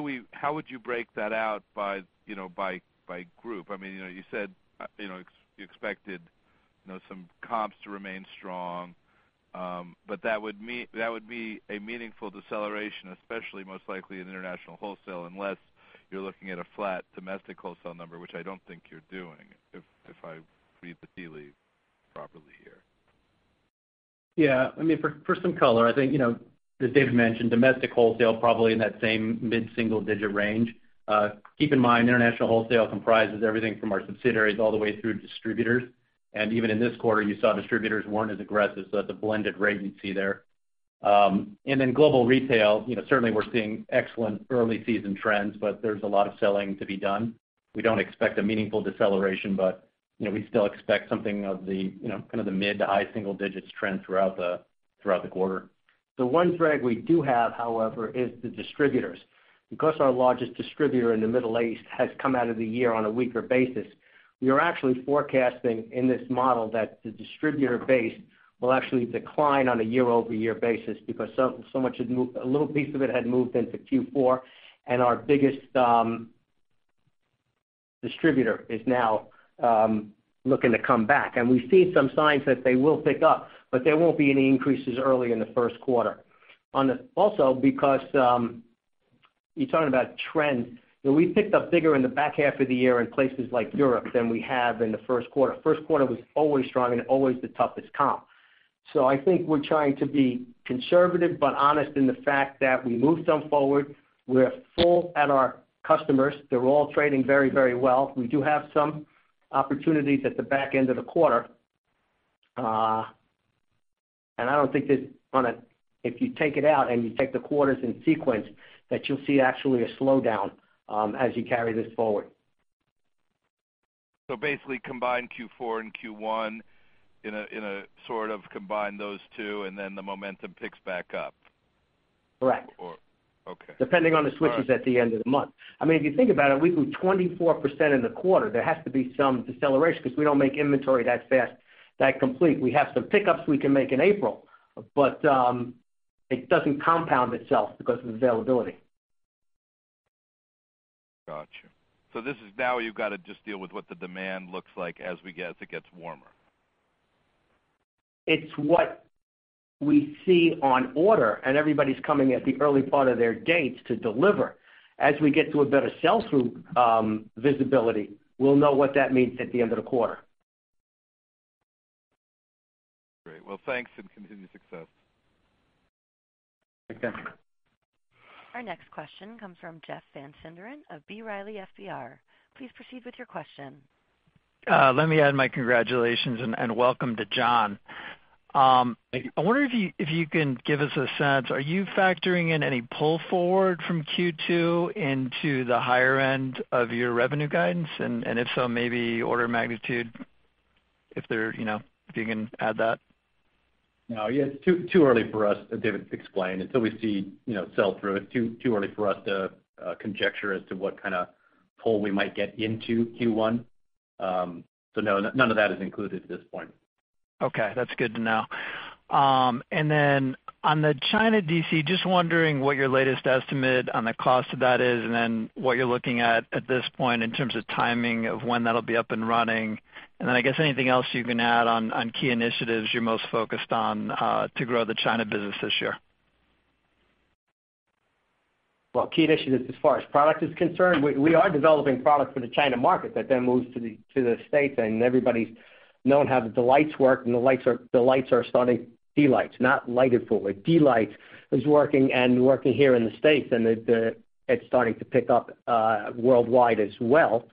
would you break that out by group? You said you expected some comps to remain strong. That would be a meaningful deceleration, especially most likely in international wholesale, unless you're looking at a flat domestic wholesale number, which I don't think you're doing, if I read the tea leaves properly here. Yeah. For some color, I think, as David mentioned, domestic wholesale probably in that same mid-single-digit range. Keep in mind, international wholesale comprises everything from our subsidiaries all the way through distributors. Even in this quarter, you saw distributors weren't as aggressive, so that's a blended rate you see there. Then global retail, certainly we're seeing excellent early season trends, but there's a lot of selling to be done. We don't expect a meaningful deceleration, but we still expect something of the mid- to high single digits trend throughout the quarter. The one drag we do have, however, is the distributors. Our largest distributor in the Middle East has come out of the year on a weaker basis, we are actually forecasting in this model that the distributor base will actually decline on a year-over-year basis because a little piece of it had moved into Q4, and our biggest distributor is now looking to come back. We've seen some signs that they will pick up, but there won't be any increases early in the first quarter. You're talking about trends. We picked up bigger in the back half of the year in places like Europe than we have in the first quarter. First quarter was always strong and always the toughest comp. I think we're trying to be conservative but honest in the fact that we moved some forward. We're full at our customers. They're all trading very well. We do have some opportunities at the back end of the quarter. I don't think that if you take it out and you take the quarters in sequence, that you'll see actually a slowdown as you carry this forward. Basically combine Q4 and Q1 in a sort of combine those two, the momentum picks back up. Correct. Okay. Depending on the switches at the end of the month. If you think about it, we moved 24% in the quarter. There has to be some deceleration because we don't make inventory that fast, that complete. We have some pickups we can make in April. It doesn't compound itself because of availability. Got you. Now you've got to just deal with what the demand looks like as it gets warmer. It's what we see on order, and everybody's coming at the early part of their dates to deliver. As we get to a better sell-through visibility, we'll know what that means at the end of the quarter. Great. Well, thanks, and continued success. Thank you. Our next question comes from Jeff Van Sinderen of B. Riley FBR. Please proceed with your question. Let me add my congratulations, and welcome to John. I wonder if you can give us a sense. Are you factoring in any pull forward from Q2 into the higher end of your revenue guidance? If so, maybe order of magnitude, if you can add that. No, it's too early for us, as David explained, until we see sell-through. It's too early for us to conjecture as to what kind of pull we might get into Q1. No, none of that is included at this point. Okay. That's good to know. Then on the China DC, just wondering what your latest estimate on the cost of that is, and then what you're looking at at this point in terms of timing of when that'll be up and running. Then, I guess anything else you can add on key initiatives you're most focused on to grow the China business this year. Key initiatives as far as product is concerned, we are developing product for the China market that then moves to the U.S., and everybody's known how the D'Lites work, and D'Lites are starting. D'Lites, not lighted footwear. D'Lites is working and working here in the U.S., and it's starting to pick up worldwide as well.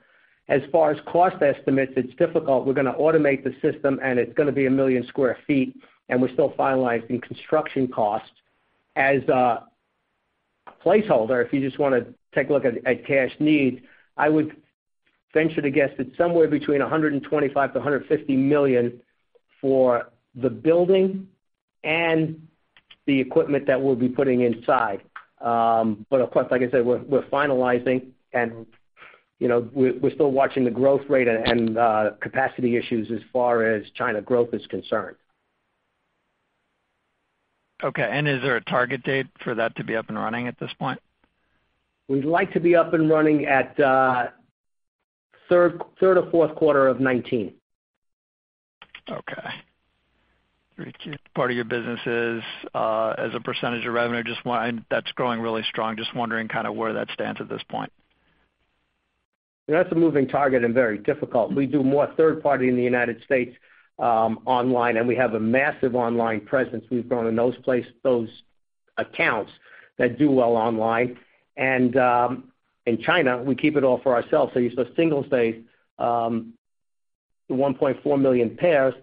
As far as cost estimates, it's difficult. We're going to automate the system, and it's going to be 1 million sq ft, and we're still finalizing construction costs. As a placeholder, if you just want to take a look at cash needs, I would venture to guess it's somewhere between $125 million-$150 million for the building and the equipment that we'll be putting inside. Of course, like I said, we're finalizing and we're still watching the growth rate and capacity issues as far as China growth is concerned. Is there a target date for that to be up and running at this point? We'd like to be up and running at third or fourth quarter of 2019. Third key part of your business is as a percentage of revenue, that's growing really strong. Just wondering where that stands at this point. That's a moving target and very difficult. We do more third party in the U.S. online, we have a massive online presence. We've grown in those accounts that do well online. In China, we keep it all for ourselves. You saw Singles' Day, the 1.4 million pairs,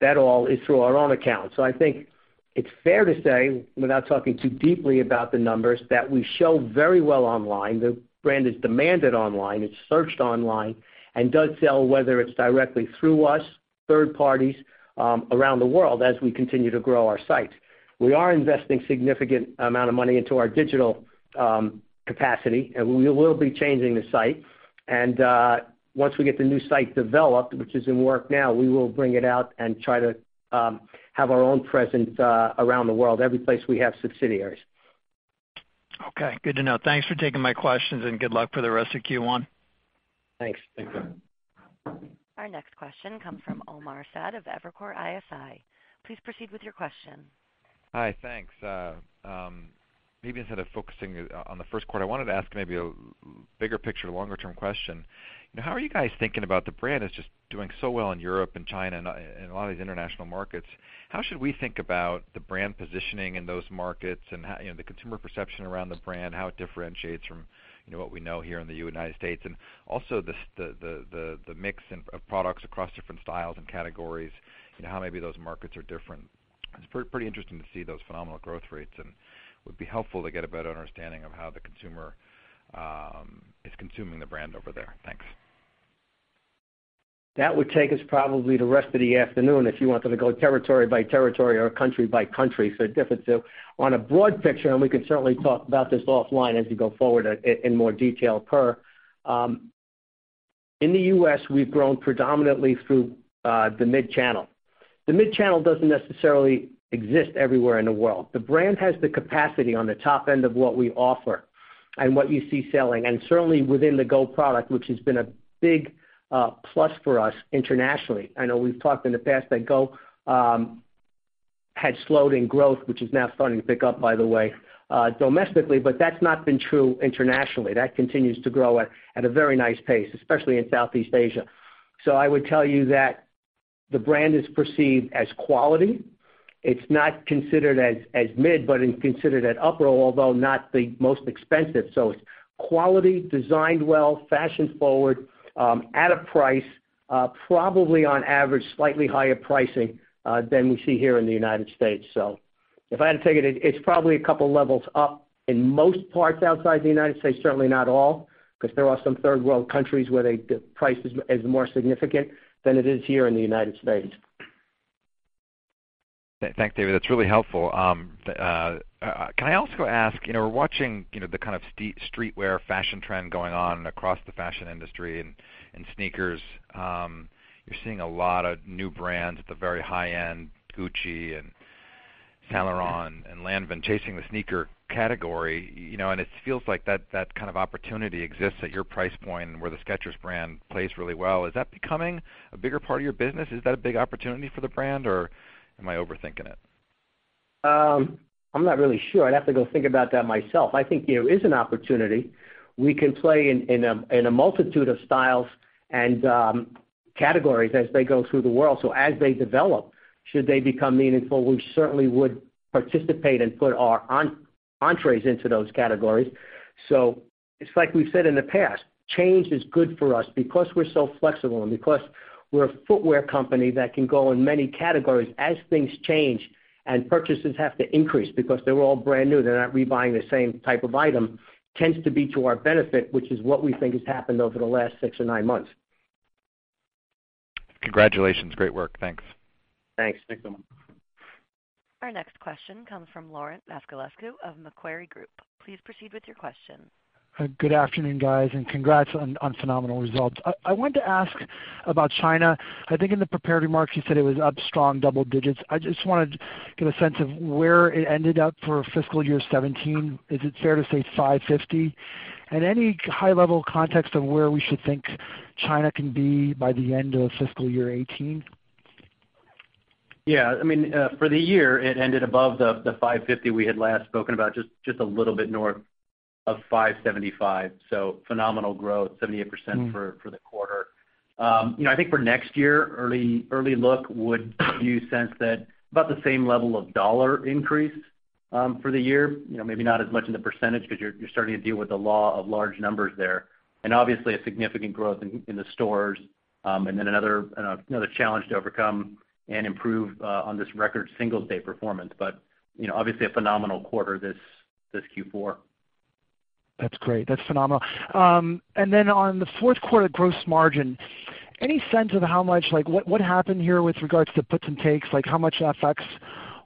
that all is through our own account. I think it's fair to say, without talking too deeply about the numbers, that we show very well online. The brand is demanded online, it's searched online, and does sell, whether it's directly through us, third parties around the world as we continue to grow our site. We are investing significant amount of money into our digital capacity, and we will be changing the site. Once we get the new site developed, which is in work now, we will bring it out and try to have our own presence around the world, every place we have subsidiaries. Okay, good to know. Thanks for taking my questions, and good luck for the rest of Q1. Thanks. Our next question comes from Omar Saad of Evercore ISI. Please proceed with your question. Hi, thanks. Maybe instead of focusing on the first quarter, I wanted to ask maybe a bigger picture, longer-term question. How are you guys thinking about the brand? It's just doing so well in Europe and China and a lot of these international markets. How should we think about the brand positioning in those markets and the consumer perception around the brand, how it differentiates from what we know here in the United States, and also the mix of products across different styles and categories, how maybe those markets are different? It's pretty interesting to see those phenomenal growth rates, and would be helpful to get a better understanding of how the consumer is consuming the brand over there. Thanks. That would take us probably the rest of the afternoon if you wanted to go territory by territory or country by country. On a broad picture, and we can certainly talk about this offline as we go forward in more detail, Per. In the U.S., we've grown predominantly through the mid-channel. The mid-channel doesn't necessarily exist everywhere in the world. The brand has the capacity on the top end of what we offer and what you see selling, and certainly within the GO product, which has been a big plus for us internationally. I know we've talked in the past that GO had slowed in growth, which is now starting to pick up, by the way, domestically. That's not been true internationally. That continues to grow at a very nice pace, especially in Southeast Asia. I would tell you that the brand is perceived as quality. It's not considered as mid, but it's considered at upper, although not the most expensive. It's quality, designed well, fashion-forward, at a price, probably on average, slightly higher pricing than we see here in the United States. If I had to take it's probably a couple levels up in most parts outside the United States, certainly not all, because there are some third world countries where the price is more significant than it is here in the United States. Thanks, David. That's really helpful. Can I also ask, we're watching the kind of streetwear fashion trend going on across the fashion industry and sneakers. You're seeing a lot of new brands at the very high end, Gucci and Saint Laurent and Lanvin chasing the sneaker category. It feels like that kind of opportunity exists at your price point and where the Skechers brand plays really well. Is that becoming a bigger part of your business? Is that a big opportunity for the brand, or am I overthinking it? I'm not really sure. I'd have to go think about that myself. I think there is an opportunity. We can play in a multitude of styles and categories as they go through the world. As they develop, should they become meaningful, we certainly would participate and put our entrees into those categories. It's like we've said in the past, change is good for us because we're so flexible and because we're a footwear company that can go in many categories as things change and purchases have to increase because they're all brand new. They're not rebuying the same type of item, tends to be to our benefit, which is what we think has happened over the last six or nine months. Congratulations. Great work. Thanks. Thanks. Our next question comes from Laurent Vasilescu of Macquarie Group. Please proceed with your question. Good afternoon, guys, congrats on phenomenal results. I wanted to ask about China. I think in the prepared remarks, you said it was up strong double digits. I just wanted to get a sense of where it ended up for fiscal year 2017. Is it fair to say $550? Any high-level context of where we should think China can be by the end of fiscal year 2018? For the year, it ended above the $550 we had last spoken about, just a little bit north of $575. Phenomenal growth, 78% for the quarter. For next year, early look would give you a sense that about the same level of dollar increase for the year. Maybe not as much in the percentage because you're starting to deal with the law of large numbers there, and obviously a significant growth in the stores, and then another challenge to overcome and improve on this record Singles' Day performance. Obviously a phenomenal quarter this Q4. That's great. That's phenomenal. Then on the fourth quarter gross margin, any sense of how much, like what happened here with regards to puts and takes? Like how much FX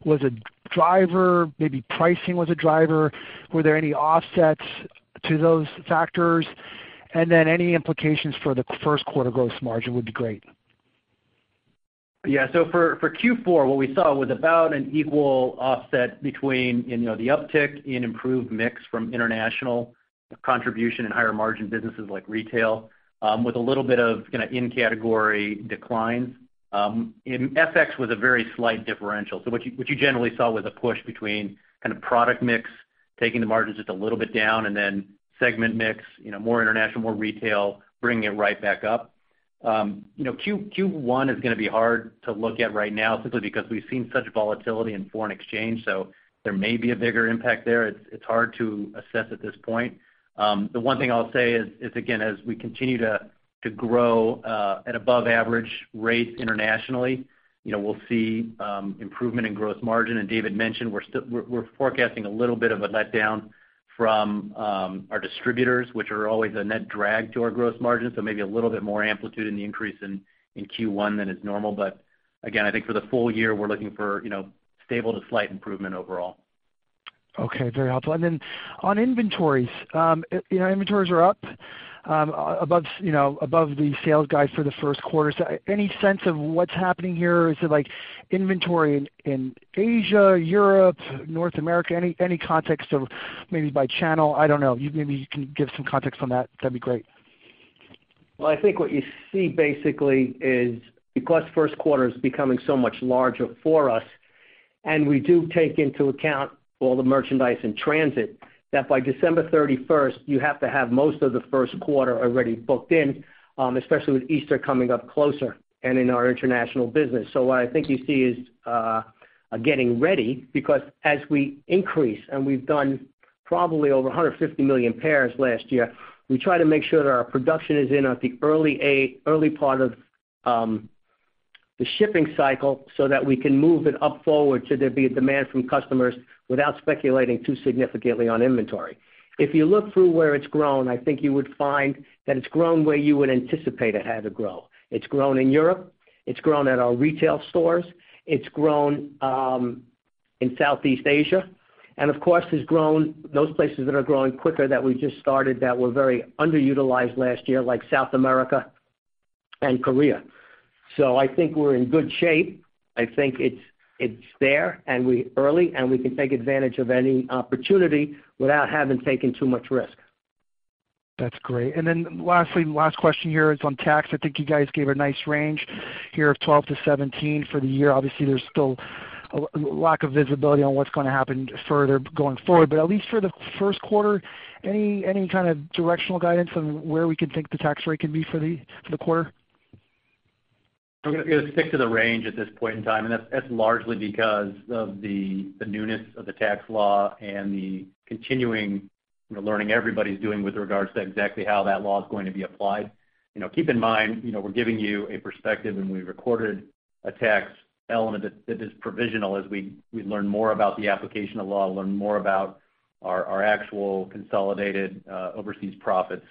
was a driver? Maybe pricing was a driver. Were there any offsets to those factors? Then any implications for the first quarter gross margin would be great. For Q4, what we saw was about an equal offset between the uptick in improved mix from international contribution and higher margin businesses like retail, with a little bit of in-category decline. FX was a very slight differential. What you generally saw was a push between kind of product mix, taking the margins just a little bit down, and then segment mix, more international, more retail, bringing it right back up. Q1 is going to be hard to look at right now simply because we've seen such volatility in foreign exchange. There may be a bigger impact there. It's hard to assess at this point. The one thing I'll say is, again, as we continue to grow at above average rates internationally, we'll see improvement in gross margin. David mentioned, we're forecasting a little bit of a letdown from our distributors, which are always a net drag to our gross margin. Maybe a little bit more amplitude in the increase in Q1 than is normal. Again, I think for the full year, we're looking for stable to slight improvement overall. Okay. Very helpful. On inventories. Inventories are up above the sales guide for the first quarter. Any sense of what's happening here? Is it inventory in Asia, Europe, North America? Any context of maybe by channel? I don't know. Maybe you can give some context on that. That'd be great. Well, I think what you see basically is because first quarter is becoming so much larger for us, and we do take into account all the merchandise in transit, that by December 31st, you have to have most of the first quarter already booked in, especially with Easter coming up closer and in our international business. What I think you see is getting ready because as we increase, and we've done probably over 150 million pairs last year, we try to make sure that our production is in at the early part of the shipping cycle so that we can move it up forward should there be a demand from customers without speculating too significantly on inventory. If you look through where it's grown, I think you would find that it's grown where you would anticipate it had to grow. It's grown in Europe, it's grown at our retail stores, it's grown in Southeast Asia, and of course, those places that are growing quicker that we just started that were very underutilized last year, like South America and Korea. I think we're in good shape. I think it's there, and we're early, and we can take advantage of any opportunity without having taken too much risk. That's great. Lastly, last question here is on tax. I think you guys gave a nice range here of 12%-17% for the year. Obviously, there's still a lack of visibility on what's going to happen further going forward. At least for the first quarter, any kind of directional guidance on where we could think the tax rate could be for the quarter? I'm going to stick to the range at this point in time. That's largely because of the newness of the tax law and the continuing learning everybody's doing with regards to exactly how that law is going to be applied. Keep in mind, we're giving you a perspective and we recorded a tax element that is provisional as we learn more about the application of law, learn more about our actual consolidated overseas profits.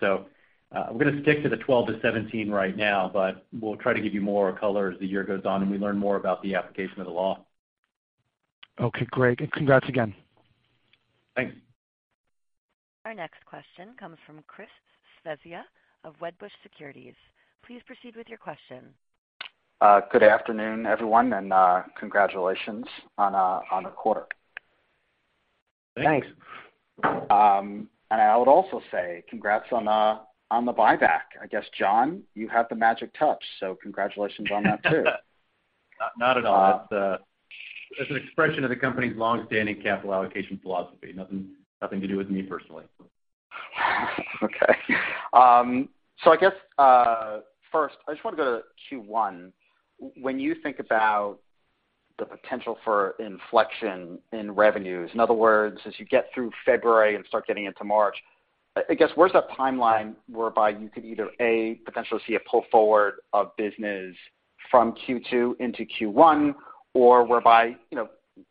We're going to stick to the 12 to 17 right now, but we'll try to give you more color as the year goes on and we learn more about the application of the law. Okay, great. Congrats again. Thanks. Our next question comes from Chris Svezia of Wedbush Securities. Please proceed with your question. Good afternoon, everyone. Congratulations on the quarter. Thanks. Thanks. I would also say congrats on the buyback. I guess, John, you have the magic touch, so congratulations on that too. Not at all. It's an expression of the company's long-standing capital allocation philosophy. Nothing to do with me personally. Okay. I guess, first, I just want to go to Q1. When you think about the potential for inflection in revenues, in other words, as you get through February and start getting into March, I guess, where's that timeline whereby you could either, A, potentially see a pull forward of business from Q2 into Q1, or whereby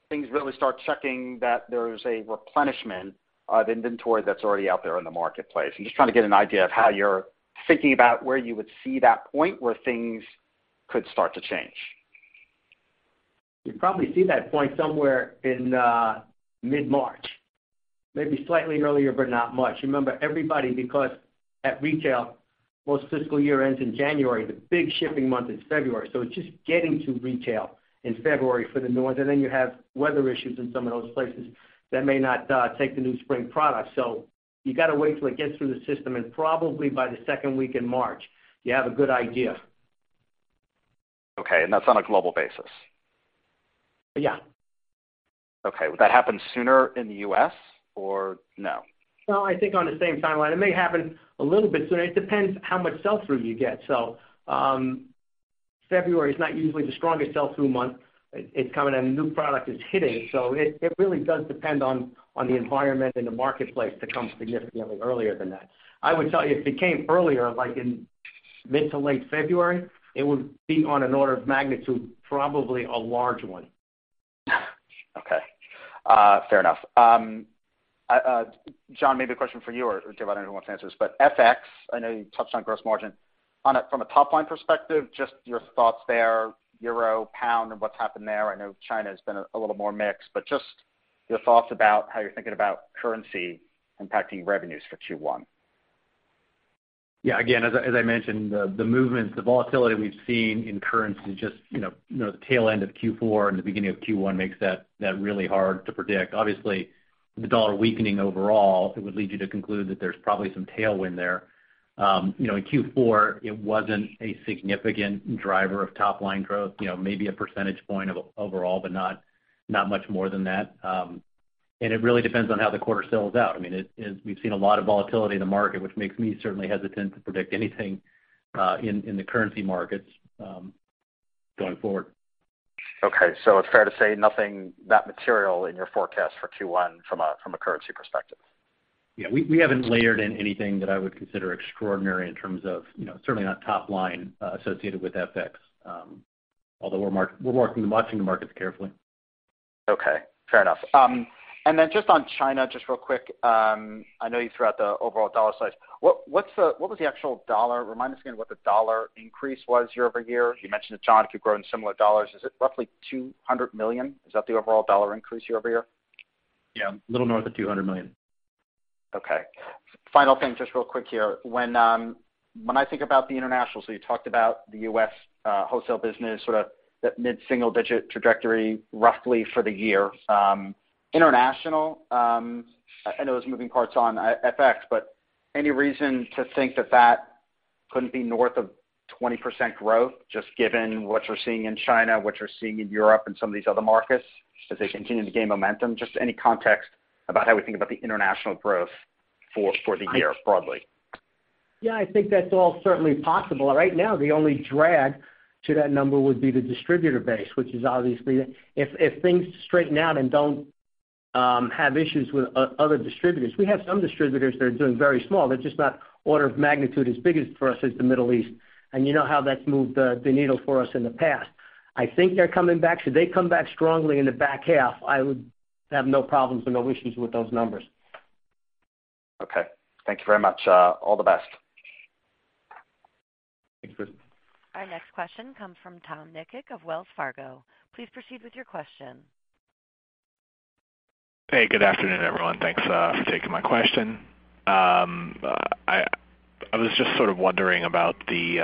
things really start checking that there's a replenishment of inventory that's already out there in the marketplace? I'm just trying to get an idea of how you're thinking about where you would see that point where things could start to change. You probably see that point somewhere in mid-March. Maybe slightly earlier, but not much. Remember, everybody, because at retail, most fiscal year ends in January. The big shipping month is February, so it's just getting to retail in February for the North, and then you have weather issues in some of those places that may not take the new spring product. You got to wait till it gets through the system, and probably by the second week in March, you have a good idea. Okay. That's on a global basis? Yeah. Okay. Would that happen sooner in the U.S., or no? No, I think on the same timeline. It may happen a little bit sooner. It depends how much sell-through you get. February is not usually the strongest sell-through month. It's coming and the new product is hitting. It really does depend on the environment and the marketplace to come significantly earlier than that. I would tell you, if it came earlier, like in mid to late February, it would be on an order of magnitude, probably a large one. Okay. Fair enough. John, maybe a question for you or John, I don't know who wants to answer this. FX, I know you touched on gross margin. From a top-line perspective, just your thoughts there, euro, pound, and what's happened there. I know China's been a little more mixed, just your thoughts about how you're thinking about currency impacting revenues for Q1. Yeah. Again, as I mentioned, the movements, the volatility we've seen in currency, just the tail end of Q4 and the beginning of Q1 makes that really hard to predict. Obviously, the dollar weakening overall, it would lead you to conclude that there's probably some tailwind there. In Q4, it wasn't a significant driver of top-line growth. Maybe a 1 percentage point overall, but not much more than that. It really depends on how the quarter sells out. We've seen a lot of volatility in the market, which makes me certainly hesitant to predict anything in the currency markets going forward. Okay. It's fair to say nothing that material in your forecast for Q1 from a currency perspective. Yeah. We haven't layered in anything that I would consider extraordinary in terms of certainly not top line associated with FX. Although we're watching the markets carefully. Okay. Fair enough. Just on China, just real quick. I know you threw out the overall dollar size. What was the actual dollar? Remind us again what the dollar increase was year-over-year. You mentioned it, John, if you've grown similar dollars. Is it roughly $200 million? Is that the overall dollar increase year-over-year? Yeah, a little north of $200 million. Okay. Final thing, just real quick here. When I think about the international, you talked about the U.S. wholesale business, sort of that mid-single digit trajectory roughly for the year. International, I know there's moving parts on FX, any reason to think that that couldn't be north of 20% growth, just given what you're seeing in China, what you're seeing in Europe and some of these other markets as they continue to gain momentum? Just any context about how we think about the international growth for the year broadly. Yeah, I think that's all certainly possible. Right now, the only drag to that number would be the distributor base, which is obviously If things straighten out and don't have issues with other distributors. We have some distributors that are doing very small. They're just not order of magnitude as big as for us as the Middle East, you know how that's moved the needle for us in the past. I think they're coming back. Should they come back strongly in the back half, I would have no problems and no issues with those numbers. Okay. Thank you very much. All the best. Thanks. Our next question comes from Tom Nikic of Wells Fargo. Please proceed with your question. Hey, good afternoon, everyone. Thanks for taking my question. I was just sort of wondering about the,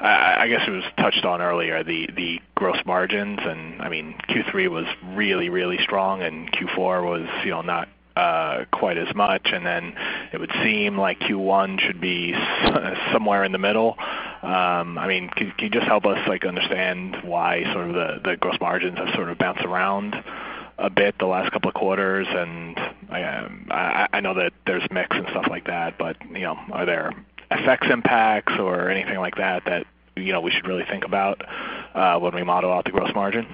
I guess it was touched on earlier, the gross margins. Q3 was really, really strong. Q4 was not quite as much. Then it would seem like Q1 should be somewhere in the middle. Can you just help us understand why the gross margins have sort of bounced around a bit the last couple of quarters? I know that there's mix and stuff like that, but are there FX impacts or anything like that we should really think about when we model out the gross margin?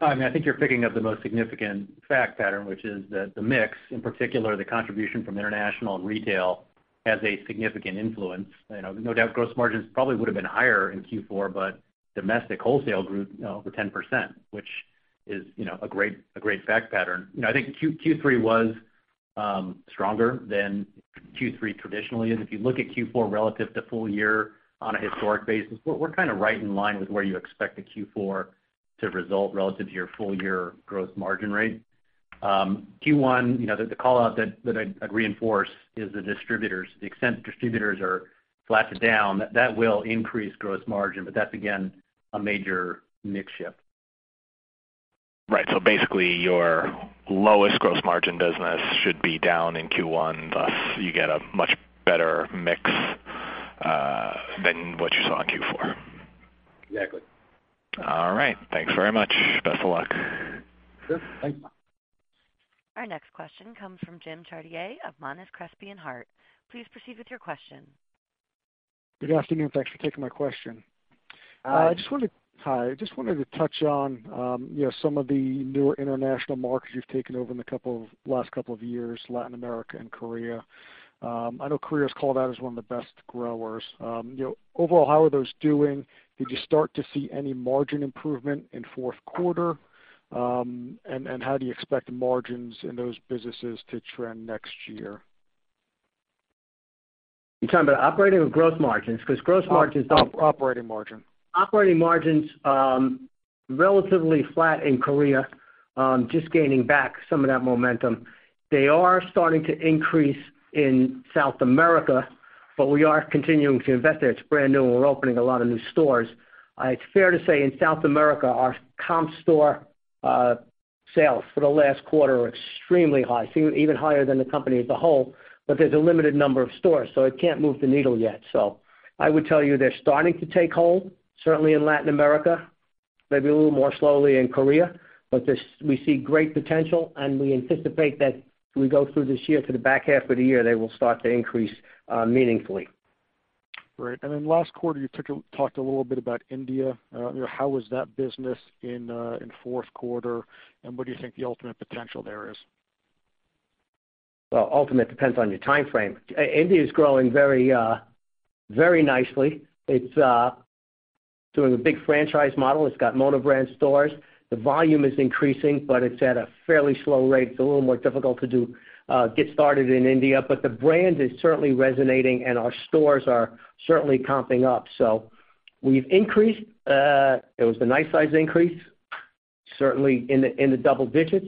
I think you're picking up the most significant fact pattern, which is that the mix, in particular, the contribution from international and retail, has a significant influence. No doubt gross margins probably would have been higher in Q4, domestic wholesale grew over 10%, which is a great fact pattern. I think Q3 was stronger than Q3 traditionally is. If you look at Q4 relative to full year on a historic basis, we're kind of right in line with where you expect a Q4 to result relative to your full-year growth margin rate. Q1, the call-out that I'd reinforce is the distributors. The extent distributors are flattened down, that will increase gross margin, but that's, again, a major mix shift. Right. Basically, your lowest gross margin business should be down in Q1, thus you get a much better mix than what you saw in Q4. Exactly. All right. Thanks very much. Best of luck. Sure. Thanks. Our next question comes from Jim Chartier of Monness, Crespi and Hardt. Please proceed with your question. Good afternoon. Thanks for taking my question. Hi. Hi. I just wanted to touch on some of the newer international markets you've taken over in the last couple of years, Latin America and Korea. I know Korea is called out as one of the best growers. Overall, how are those doing? Did you start to see any margin improvement in fourth quarter? How do you expect the margins in those businesses to trend next year? You talking about operating or growth margins? Growth margins- Operating margin. Operating margins, relatively flat in Korea, just gaining back some of that momentum. They are starting to increase in South America, but we are continuing to invest there. It's brand new. We're opening a lot of new stores. It's fair to say in South America, our comp store sales for the last quarter are extremely high, even higher than the company as a whole, but there's a limited number of stores, so it can't move the needle yet. I would tell you they're starting to take hold, certainly in Latin America, maybe a little more slowly in Korea. We see great potential, and we anticipate that as we go through this year to the back half of the year, they will start to increase meaningfully. Great. Last quarter, you talked a little bit about India. How was that business in fourth quarter, and what do you think the ultimate potential there is? Well, ultimate depends on your time frame. India is growing very nicely. It's doing a big franchise model. It's got monobrand stores. The volume is increasing, but it's at a fairly slow rate. It's a little more difficult to get started in India. The brand is certainly resonating, and our stores are certainly comping up. We've increased. It was a nice size increase, certainly in the double digits.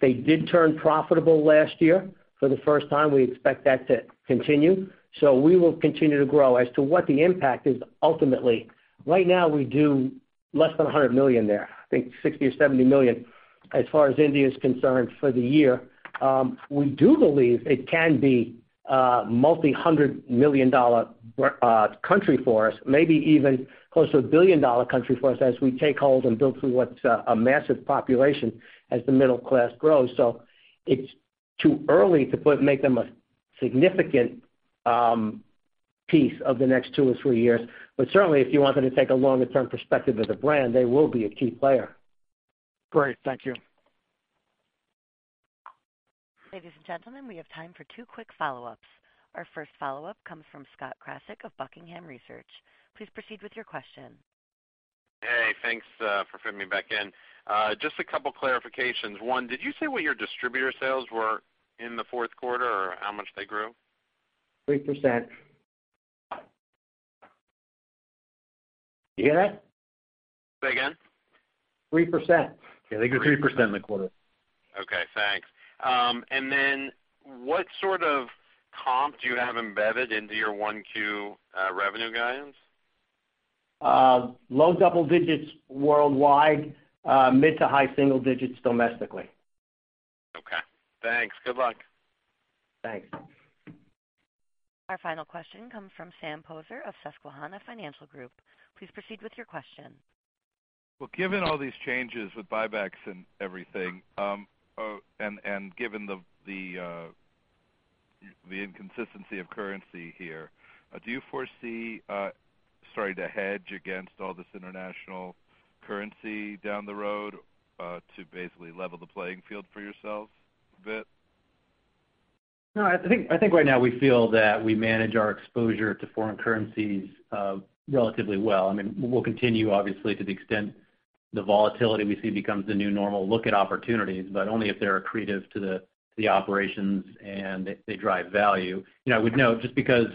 They did turn profitable last year for the first time. We expect that to continue. We will continue to grow. As to what the impact is ultimately, right now we do less than $100 million there. I think $60 or $70 million as far as India is concerned for the year. We do believe it can be a multi-hundred million dollar country for us, maybe even close to a billion dollar country for us as we take hold and build through what's a massive population as the middle class grows. It's too early to make them a significant piece of the next 2 or 3 years. Certainly, if you wanted to take a longer-term perspective of the brand, they will be a key player. Great. Thank you. Ladies and gentlemen, we have time for two quick follow-ups. Our first follow-up comes from Scott Krasik of Buckingham Research. Please proceed with your question. Hey, thanks for fitting me back in. Just a couple clarifications. One, did you say what your distributor sales were in the fourth quarter or how much they grew? 3%. You hear that? Say again? 3%. Yeah, they grew 3% in the quarter. Okay, thanks. Then what sort of comp do you have embedded into your one Q revenue guidance? Low double digits worldwide, mid to high single digits domestically. Okay, thanks. Good luck. Thanks. Our final question comes from Sam Poser of Susquehanna Financial Group. Please proceed with your question. Well, given all these changes with buybacks and everything, given the inconsistency of currency here, do you foresee, starting to hedge against all this international currency down the road, to basically level the playing field for yourselves a bit? No, I think right now we feel that we manage our exposure to foreign currencies, relatively well. We'll continue, obviously, to the extent the volatility we see becomes the new normal look at opportunities, but only if they're accretive to the operations and they drive value. We'd note, just because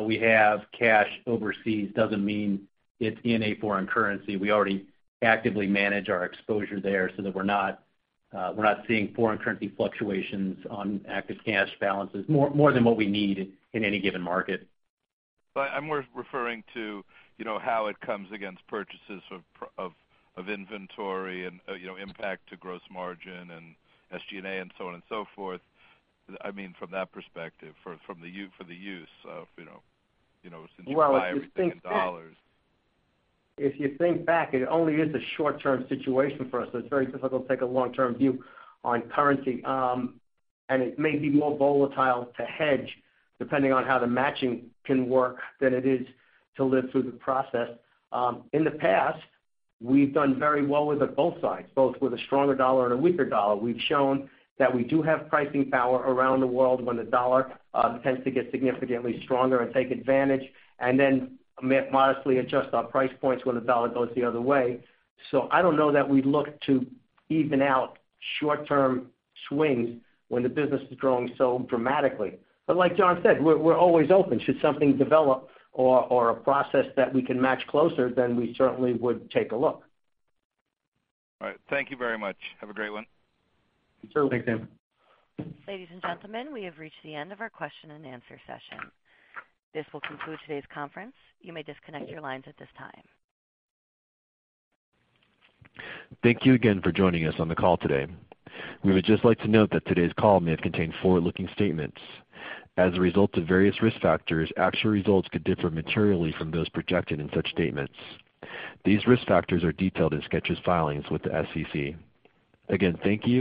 we have cash overseas doesn't mean it's in a foreign currency. We already actively manage our exposure there so that we're not seeing foreign currency fluctuations on active cash balances, more than what we need in any given market. I'm more referring to how it comes against purchases of inventory and impact to gross margin and SGA and so on and so forth. From that perspective, since you buy everything in dollars. If you think back, it only is a short-term situation for us, so it's very difficult to take a long-term view on currency. It may be more volatile to hedge, depending on how the matching can work, than it is to live through the process. In the past, we've done very well with it both sides, both with a stronger dollar and a weaker dollar. We've shown that we do have pricing power around the world when the dollar tends to get significantly stronger and take advantage, and then modestly adjust our price points when the dollar goes the other way. I don't know that we'd look to even out short-term swings when the business is growing so dramatically. Like John said, we're always open should something develop or a process that we can match closer than we certainly would take a look. All right. Thank you very much. Have a great one. Sure thing. Thanks, Sam. Ladies and gentlemen, we have reached the end of our question and answer session. This will conclude today's conference. You may disconnect your lines at this time. Thank you again for joining us on the call today. We would just like to note that today's call may have contained forward-looking statements. As a result of various risk factors, actual results could differ materially from those projected in such statements. These risk factors are detailed in Skechers' filings with the SEC. Again, thank you.